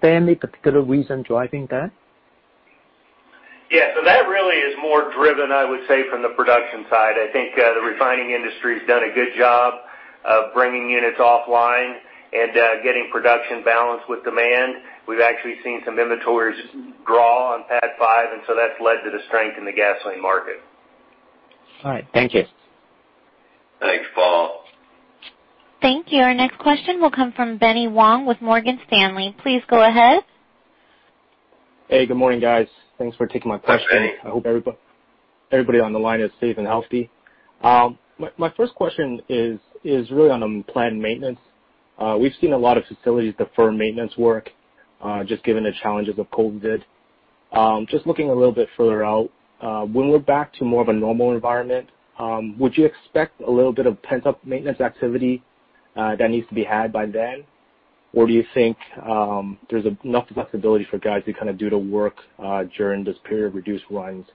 there any particular reason driving that? Yeah. That really is more driven, I would say, from the production side. I think the refining industry has done a good job of bringing units offline and getting production balanced with demand. We've actually seen some inventories draw on PADD 5. That's led to the strength in the gasoline market. All right. Thank you. Thanks, Paul. Thank you. Our next question will come from Benny Wong with Morgan Stanley. Please go ahead. Hey, good morning, guys. Thanks for taking my question. Hi, Benny. I hope everybody on the line is safe and healthy. My first question is really on the planned maintenance. We've seen a lot of facilities defer maintenance work, just given the challenges of COVID-19. Just looking a little bit further out, when we're back to more of a normal environment, would you expect a little bit of pent-up maintenance activity that needs to be had by then? Or do you think there's enough flexibility for guys to kind of do the work during this period of reduced runs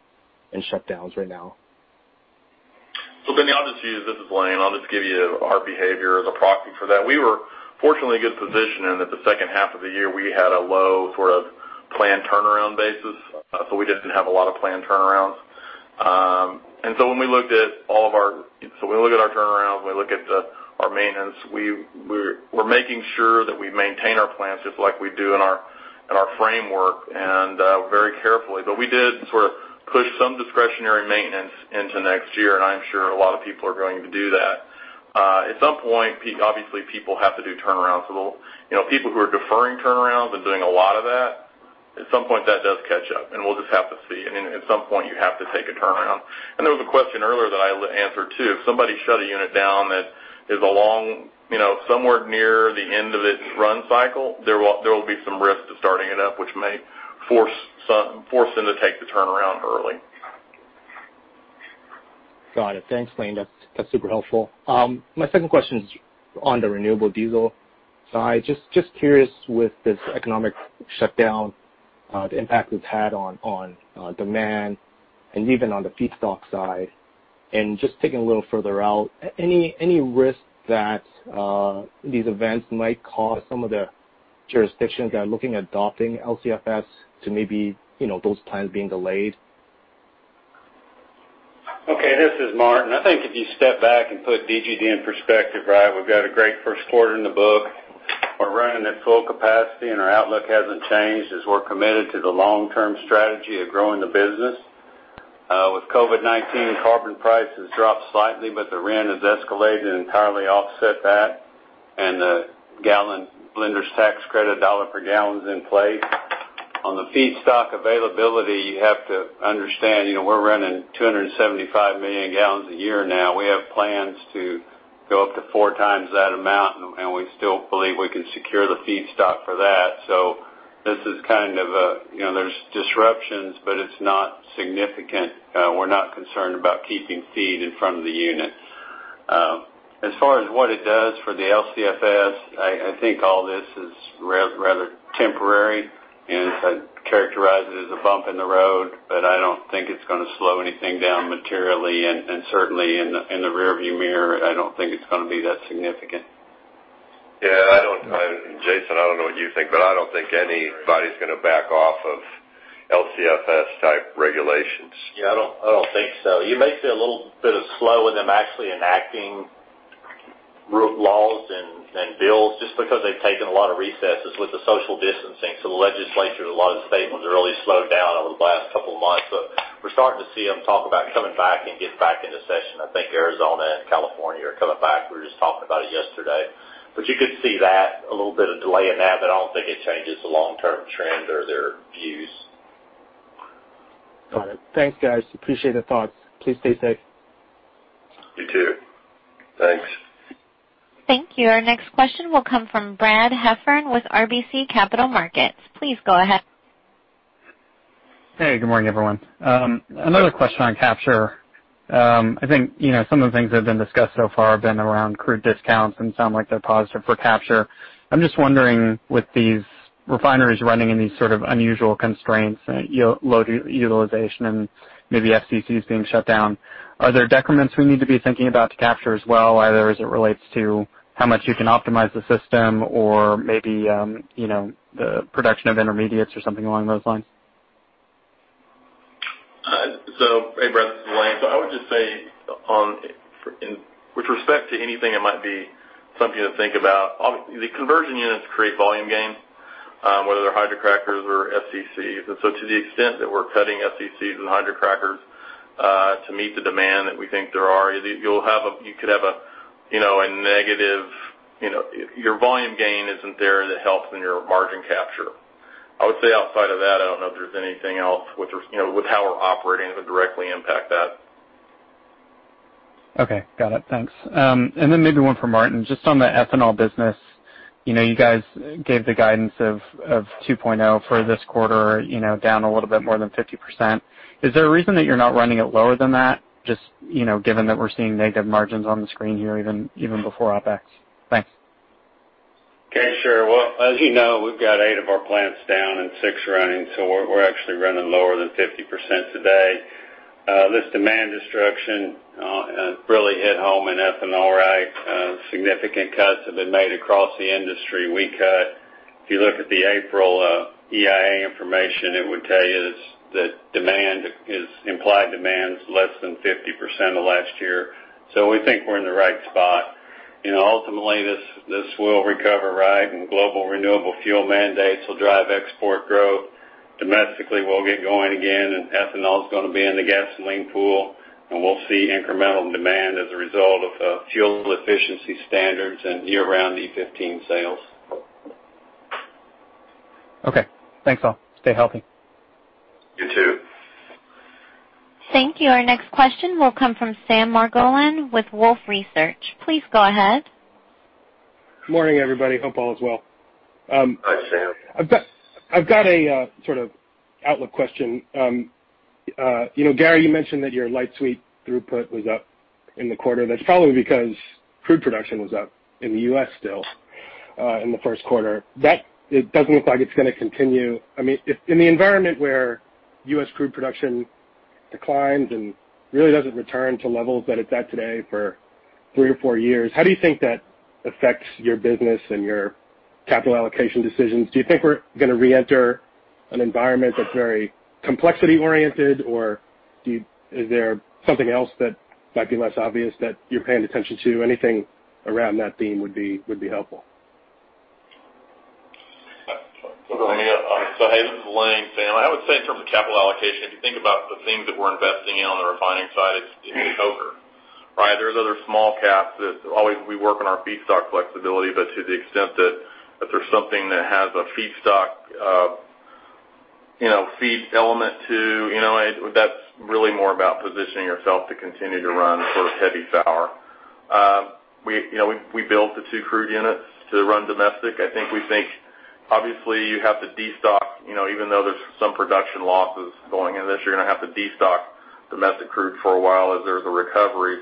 and shutdowns right now? Benny, this is Lane. I'll just give you our behavior as a proxy for that. We were fortunately in a good position in that the second half of the year, we had a low sort of planned turnaround basis. We didn't have a lot of planned turnarounds. When we looked at our turnaround, we look at our maintenance, we're making sure that we maintain our plants just like we do in our framework and very carefully. We did sort of push some discretionary maintenance into next year, and I'm sure a lot of people are going to do that. At some point, obviously, people have to do turnarounds. People who are deferring turnarounds and doing a lot of that, at some point that does catch up and we'll just have to see. At some point, you have to take a turnaround. There was a question earlier that I answered, too. If somebody shut a unit down that is somewhere near the end of its run cycle, there will be some risk to starting it up, which may force them to take the turnaround early. Got it. Thanks, Lane. That's super helpful. My second question is on the renewable diesel. Just curious with this economic shutdown, the impact it's had on demand and even on the feedstock side, and just taking a little further out, any risk that these events might cause some of the jurisdictions that are looking at adopting LCFS to maybe those plans being delayed? Okay, this is Martin. I think if you step back and put DGD in perspective, right, we've got a great first quarter in the book. We're running at full capacity and our outlook hasn't changed as we're committed to the long-term strategy of growing the business. With COVID-19, carbon price has dropped slightly, but the RIN has escalated and entirely offset that, and the Blender's Tax Credit dollar per gallon is in place. On the feedstock availability, you have to understand, we're running 275 million gallons a year now. We have plans to go up to four times that amount, and we still believe we can secure the feedstock for that. There's disruptions, but it's not significant. We're not concerned about keeping feed in front of the unit. As far as what it does for the LCFS, I think all this is rather temporary, and I'd characterize it as a bump in the road, but I don't think it's going to slow anything down materially, and certainly in the rearview mirror, I don't think it's going to be that significant. Yeah. Jason, I don't know what you think, but I don't think anybody's going to back off of LCFS-type regulations. Yeah, I don't think so. You may see a little bit of slow in them actually enacting laws and bills just because they've taken a lot of recesses with the social distancing. The legislature in a lot of the states have really slowed down over the last couple of months. We're starting to see them talk about coming back and getting back into session. I think Arizona and California are coming back. We were just talking about it yesterday. You could see that, a little bit of delay in that, but I don't think it changes the long-term trend or their views. Got it. Thanks, guys. Appreciate the thoughts. Please stay safe. You too. Thanks. Thank you. Our next question will come from Brad Heffern with RBC Capital Markets. Please go ahead. Hey, good morning, everyone. Another question on capture. I think some of the things that have been discussed so far have been around crude discounts and sound like they're positive for capture. I'm just wondering, with these refineries running in these sort of unusual constraints, low utilization, and maybe FCCs being shut down, are there decrements we need to be thinking about to capture as well, either as it relates to how much you can optimize the system or maybe the production of intermediates or something along those lines? Hey, Brad, this is Lane. I would just say with respect to anything it might be something to think about. The conversion units create volume gain, whether they're hydrocrackers or FCCs. To the extent that we're cutting FCCs and hydrocrackers to meet the demand that we think there are, your volume gain isn't there to help in your margin capture. I would say outside of that, I don't know if there's anything else with how we're operating that would directly impact that. Okay, got it. Thanks. Maybe one for Martin, just on the ethanol business. You guys gave the guidance of $2.0 million for this quarter, down a little bit more than 50%. Is there a reason that you're not running it lower than that, just given that we're seeing negative margins on the screen here even before OpEx? Thanks. Okay, sure. Well, as you know, we've got eight of our plants down and six running, we're actually running lower than 50% today. This demand destruction really hit home in ethanol. Significant cuts have been made across the industry. We cut. If you look at the April EIA information, it would tell you that implied demand's less than 50% of last year. We think we're in the right spot. Ultimately, this will recover, and global renewable fuel mandates will drive export growth. Domestically, we'll get going again, and ethanol's gonna be in the gasoline pool, and we'll see incremental demand as a result of fuel efficiency standards and year-round E15 sales. Okay, thanks all. Stay healthy. You too. Thank you. Our next question will come from Sam Margolin with Wolfe Research. Please go ahead. Morning, everybody. Hope all is well. Hi, Sam. I've got a sort of outlook question. Gary, you mentioned that your light sweet throughput was up in the quarter. That's probably because crude production was up in the U.S. still in the first quarter. That doesn't look like it's going to continue. In the environment where U.S. crude production declines and really doesn't return to levels that it's at today for three or four years, how do you think that affects your business and your capital allocation decisions? Do you think we're going to reenter an environment that's very complexity-oriented, or is there something else that might be less obvious that you're paying attention to? Anything around that theme would be helpful. Hey, this is Lane, Sam. I would say in terms of capital allocation, if you think about the themes that we're investing in on the refining side, it's over. There's other small caps that always we work on our feedstock flexibility. To the extent that if there's something that has a feedstock feed element to it, that's really more about positioning yourself to continue to run sort of heavy sour. We built the two crude units to run domestic. I think we think obviously you have to destock, even though there's some production losses going into this, you're going to have to destock domestic crude for a while as there's a recovery.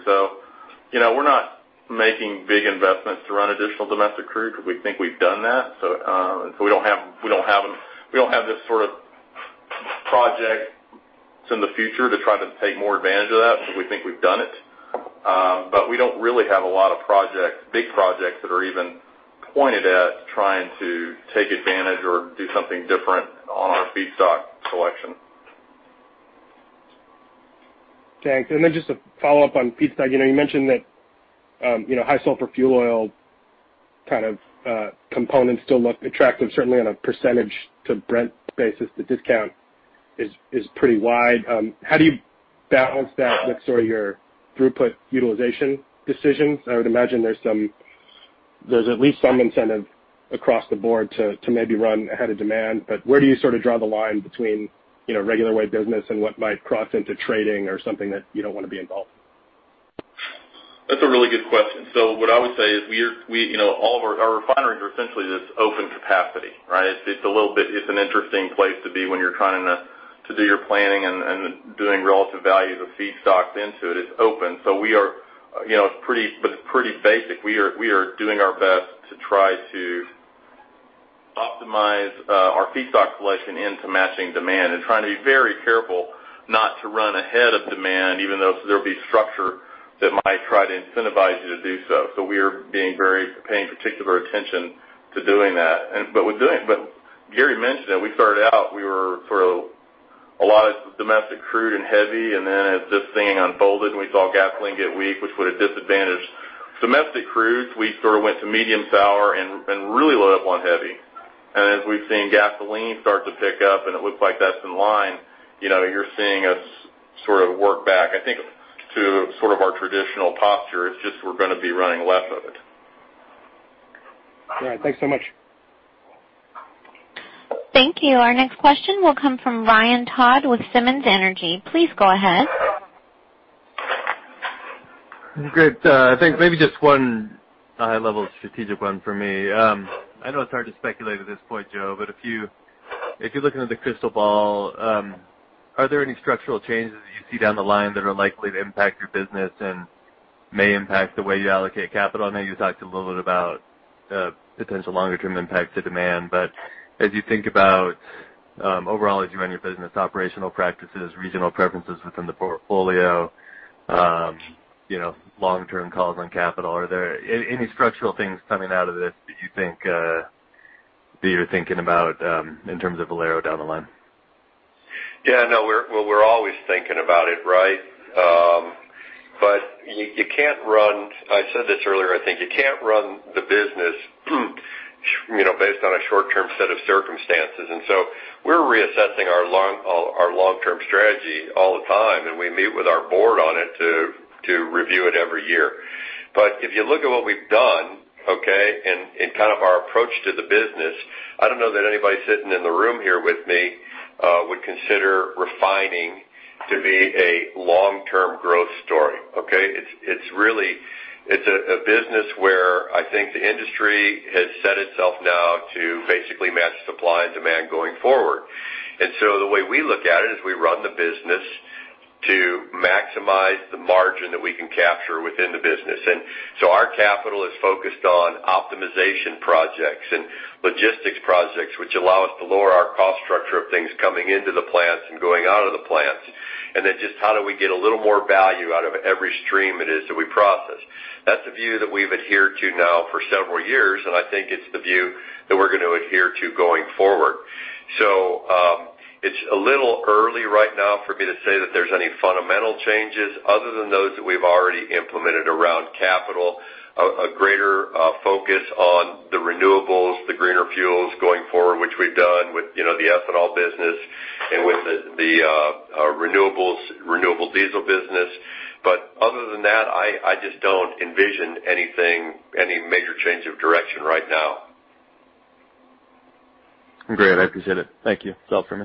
We're not making big investments to run additional domestic crude because we think we've done that. We don't have this sort of projects in the future to try to take more advantage of that because we think we've done it. We don't really have a lot of big projects that are even pointed at trying to take advantage or do something different on our feedstock selection. Thanks. Just a follow-up on feedstock. You mentioned that high sulfur fuel oil kind of components still look attractive, certainly on a percentage to Brent basis. The discount is pretty wide. How do you balance that with sort of your throughput utilization decisions? I would imagine there's at least some incentive across the board to maybe run ahead of demand. Where do you draw the line between regular way business and what might cross into trading or something that you don't want to be involved in? That's a really good question. What I would say is our refineries are essentially this open capacity, right? It's an interesting place to be when you're trying to do your planning and doing relative values of feedstocks into it. It's open. It's pretty basic. We are doing our best to try to optimize our feedstock selection into matching demand and trying to be very careful not to run ahead of demand, even though there'll be structure that might try to incentivize you to do so. We are paying particular attention to doing that. Gary mentioned it, we started out, we were for a lot of domestic crude and heavy, and then as this thing unfolded and we saw gasoline get weak, which would have disadvantaged. Domestic crude, we went to medium sour and really load up on heavy. As we've seen gasoline start to pick up, and it looks like that's in line, you're seeing us work back, I think, to our traditional posture. It's just we're going to be running less of it. All right. Thanks so much. Thank you. Our next question will come from Ryan Todd with Simmons Energy. Please go ahead. Great. I think maybe just one high-level strategic one for me. I know it's hard to speculate at this point, Joe, but if you look into the crystal ball, are there any structural changes that you see down the line that are likely to impact your business and may impact the way you allocate capital? I know you talked a little bit about potential longer-term impacts to demand, but as you think about overall, as you run your business, operational practices, regional preferences within the portfolio, long-term calls on capital. Are there any structural things coming out of this that you're thinking about in terms of Valero down the line? Yeah, no, we're always thinking about it, right? You can't run the business based on a short-term set of circumstances. We're reassessing our long-term strategy all the time, and we meet with our board on it to review it every year. If you look at what we've done, okay, and our approach to the business, I don't know that anybody sitting in the room here with me would consider refining to be a long-term growth story, okay? It's a business where I think the industry has set itself now to basically match supply and demand going forward. The way we look at it is we run the business to maximize the margin that we can capture within the business. Our capital is focused on optimization projects and logistics projects, which allow us to lower our cost structure of things coming into the plants and going out of the plants. Just how do we get a little more value out of every stream it is that we process. That's a view that we've adhered to now for several years, and I think it's the view that we're going to adhere to going forward. It's a little early right now for me to say that there's any fundamental changes other than those that we've already implemented around capital, a greater focus on the renewables, the greener fuels going forward, which we've done with the ethanol business and with the renewable diesel business. Other than that, I just don't envision any major change of direction right now. Great. I appreciate it. Thank you. That's all for me.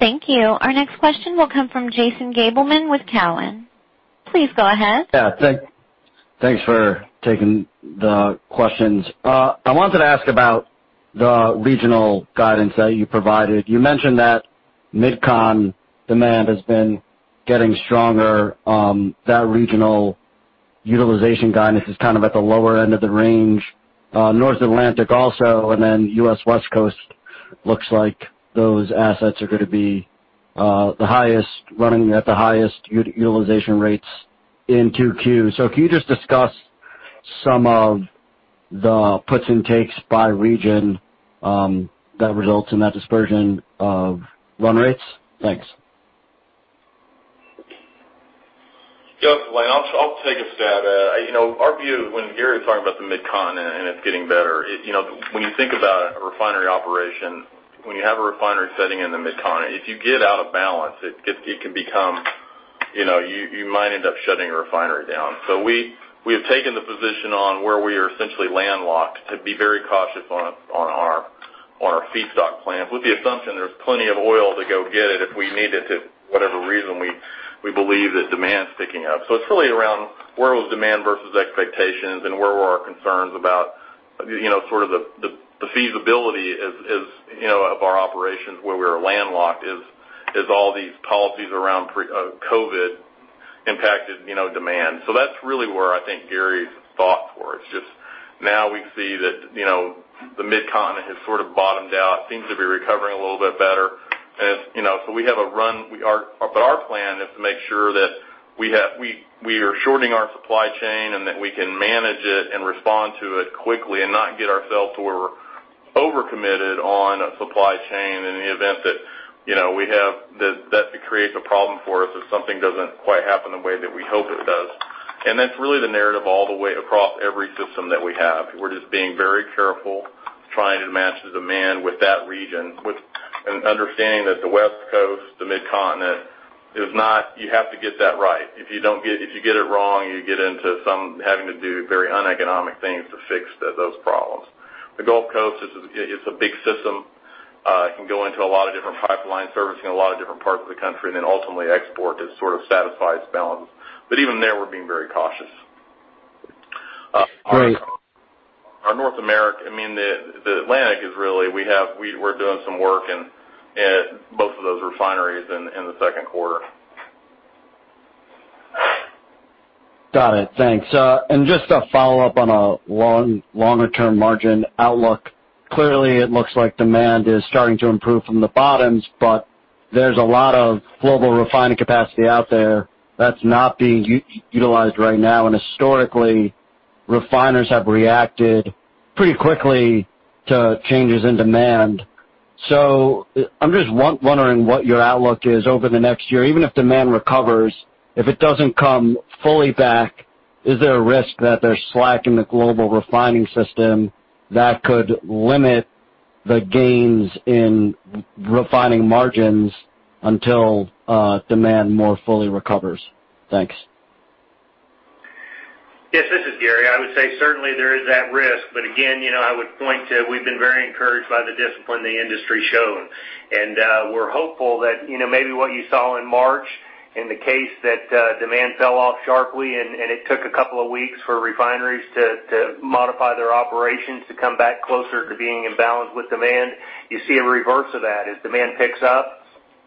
Thank you. Our next question will come from Jason Gabelman with Cowen. Please go ahead. Yeah, thanks for taking the questions. I wanted to ask about the regional guidance that you provided. You mentioned that MidCon demand has been getting stronger. That regional utilization guidance is at the lower end of the range. North Atlantic also. U.S. West Coast looks like those assets are going to be running at the highest utilization rates in 2Q. Can you just discuss some of the puts and takes by region that results in that dispersion of run rates? Thanks. Yeah. It's Lane, I'll take a stab at it. Our view when Gary was talking about the MidCon and it's getting better, when you think about a refinery operation, when you have a refinery setting in the MidCon, if you get out of balance, you might end up shutting a refinery down. We have taken the position on where we are essentially landlocked to be very cautious on our feedstock plans, with the assumption there's plenty of oil to go get it if we need it to whatever reason we believe that demand is picking up. It's really around where was demand versus expectations and where were our concerns about the feasibility of our operations where we are landlocked as all these policies around COVID impacted demand. That's really where I think Gary's thought for it. It's just now we see that the MidCon has bottomed out, seems to be recovering a little bit better. Our plan is to make sure that we are shortening our supply chain and that we can manage it and respond to it quickly and not get ourselves to where we're overcommitted on a supply chain in the event that creates a problem for us if something doesn't quite happen the way that we hope it does. That's really the narrative all the way across every system that we have. We're just being very careful, trying to match the demand with that region, with an understanding that the West Coast, the Mid-Continent, you have to get that right. If you get it wrong, you get into having to do very uneconomic things to fix those problems. The Gulf Coast, it's a big system. It can go into a lot of different pipelines, servicing a lot of different parts of the country, and then ultimately export is sort of satisfies balances. Even there, we're being very cautious. Great. I mean, the Atlantic is really, we're doing some work in both of those refineries in the second quarter. Got it. Thanks. Just a follow-up on a longer term margin outlook. Clearly, it looks like demand is starting to improve from the bottoms, but there's a lot of global refining capacity out there that's not being utilized right now, and historically, refiners have reacted pretty quickly to changes in demand. I'm just wondering what your outlook is over the next year. Even if demand recovers, if it doesn't come fully back, is there a risk that there's slack in the global refining system that could limit the gains in refining margins until demand more fully recovers? Thanks. Yes, this is Gary. I would say certainly there is that risk, but again, I would point to, we've been very encouraged by the discipline the industry's shown. We're hopeful that maybe what you saw in March, in the case that demand fell off sharply and it took a couple of weeks for refineries to modify their operations to come back closer to being in balance with demand. You see a reverse of that. As demand picks up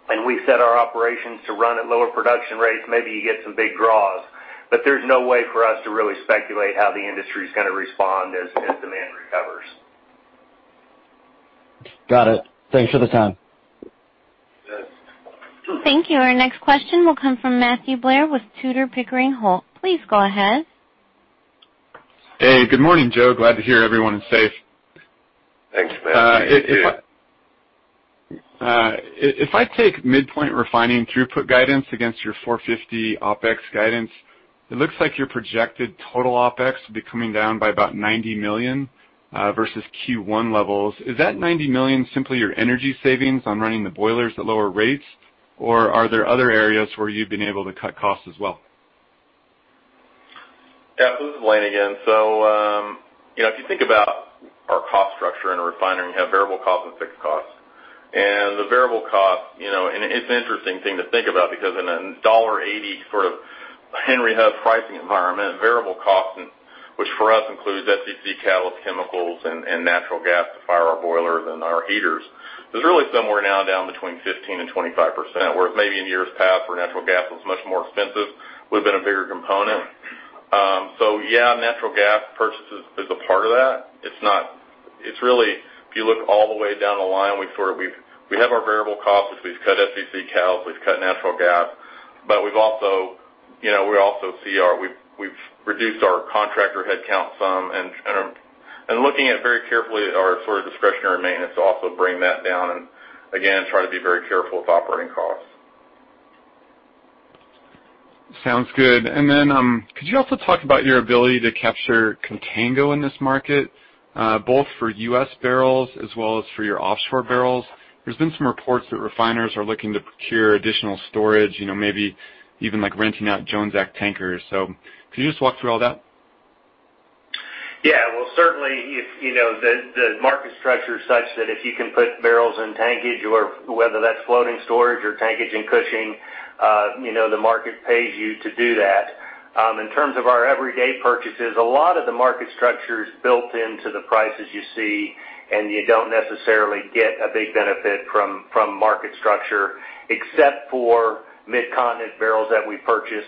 and we set our operations to run at lower production rates, maybe you get some big draws. There's no way for us to really speculate how the industry's going to respond as demand recovers. Got it. Thanks for the time. Thank you. Our next question will come from Matthew Blair with Tudor, Pickering, Holt. Please go ahead. Hey. Good morning, Joe. Glad to hear everyone is safe. Thanks, Matthew. You too. If I take midpoint refining throughput guidance against your $450 million OpEx guidance, it looks like your projected total OpEx will be coming down by about $90 million versus Q1 levels. Is that $90 million simply your energy savings on running the boilers at lower rates, or are there other areas where you've been able to cut costs as well? Yeah. This is Lane again. If you think about our cost structure in a refinery, and you have variable costs and fixed costs. The variable cost, and it's an interesting thing to think about because in a $1.80 sort of Henry Hub pricing environment, variable cost, which for us includes FCC catalyst chemicals and natural gas to fire our boilers and our heaters. Is really somewhere now down between 15%-25%, where it may be in years past, where natural gas was much more expensive, would've been a bigger component. Yeah, natural gas purchases is a part of that. If you look all the way down the line, we have our variable costs, which we've cut FCC catalysts, we've cut natural gas. We also see we've reduced our contractor headcount some, and looking at very carefully at our sort of discretionary maintenance to also bring that down and again, try to be very careful with operating costs. Sounds good. Could you also talk about your ability to capture contango in this market, both for U.S. barrels as well as for your offshore barrels? There's been some reports that refiners are looking to procure additional storage, maybe even like renting out Jones Act tankers. Can you just walk through all that? Yeah. Well, certainly, the market structure is such that if you can put barrels in tankage or whether that's floating storage or tankage in Cushing, the market pays you to do that. In terms of our everyday purchases, a lot of the market structure's built into the prices you see, and you don't necessarily get a big benefit from market structure, except for Mid-Continent barrels that we purchase.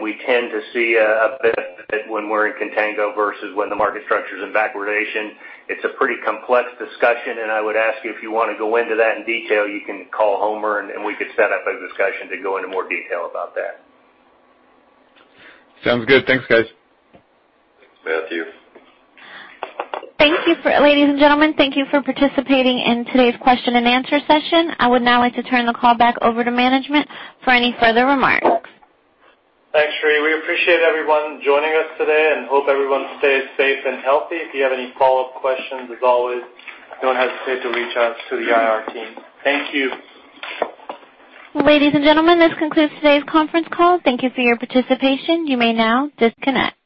We tend to see a benefit when we're in contango versus when the market structure's in backwardation. It's a pretty complex discussion, and I would ask you, if you want to go into that in detail, you can call Homer, and we could set up a discussion to go into more detail about that. Sounds good. Thanks, guys. Thanks, Matthew. Ladies and gentlemen, thank you for participating in today's question-and-answer session. I would now like to turn the call back over to management for any further remarks. Thanks, Sheree. We appreciate everyone joining us today and hope everyone stays safe and healthy. If you have any follow-up questions, as always, don't hesitate to reach out to the IR team. Thank you. Ladies and gentlemen, this concludes today's conference call. Thank you for your participation. You may now disconnect.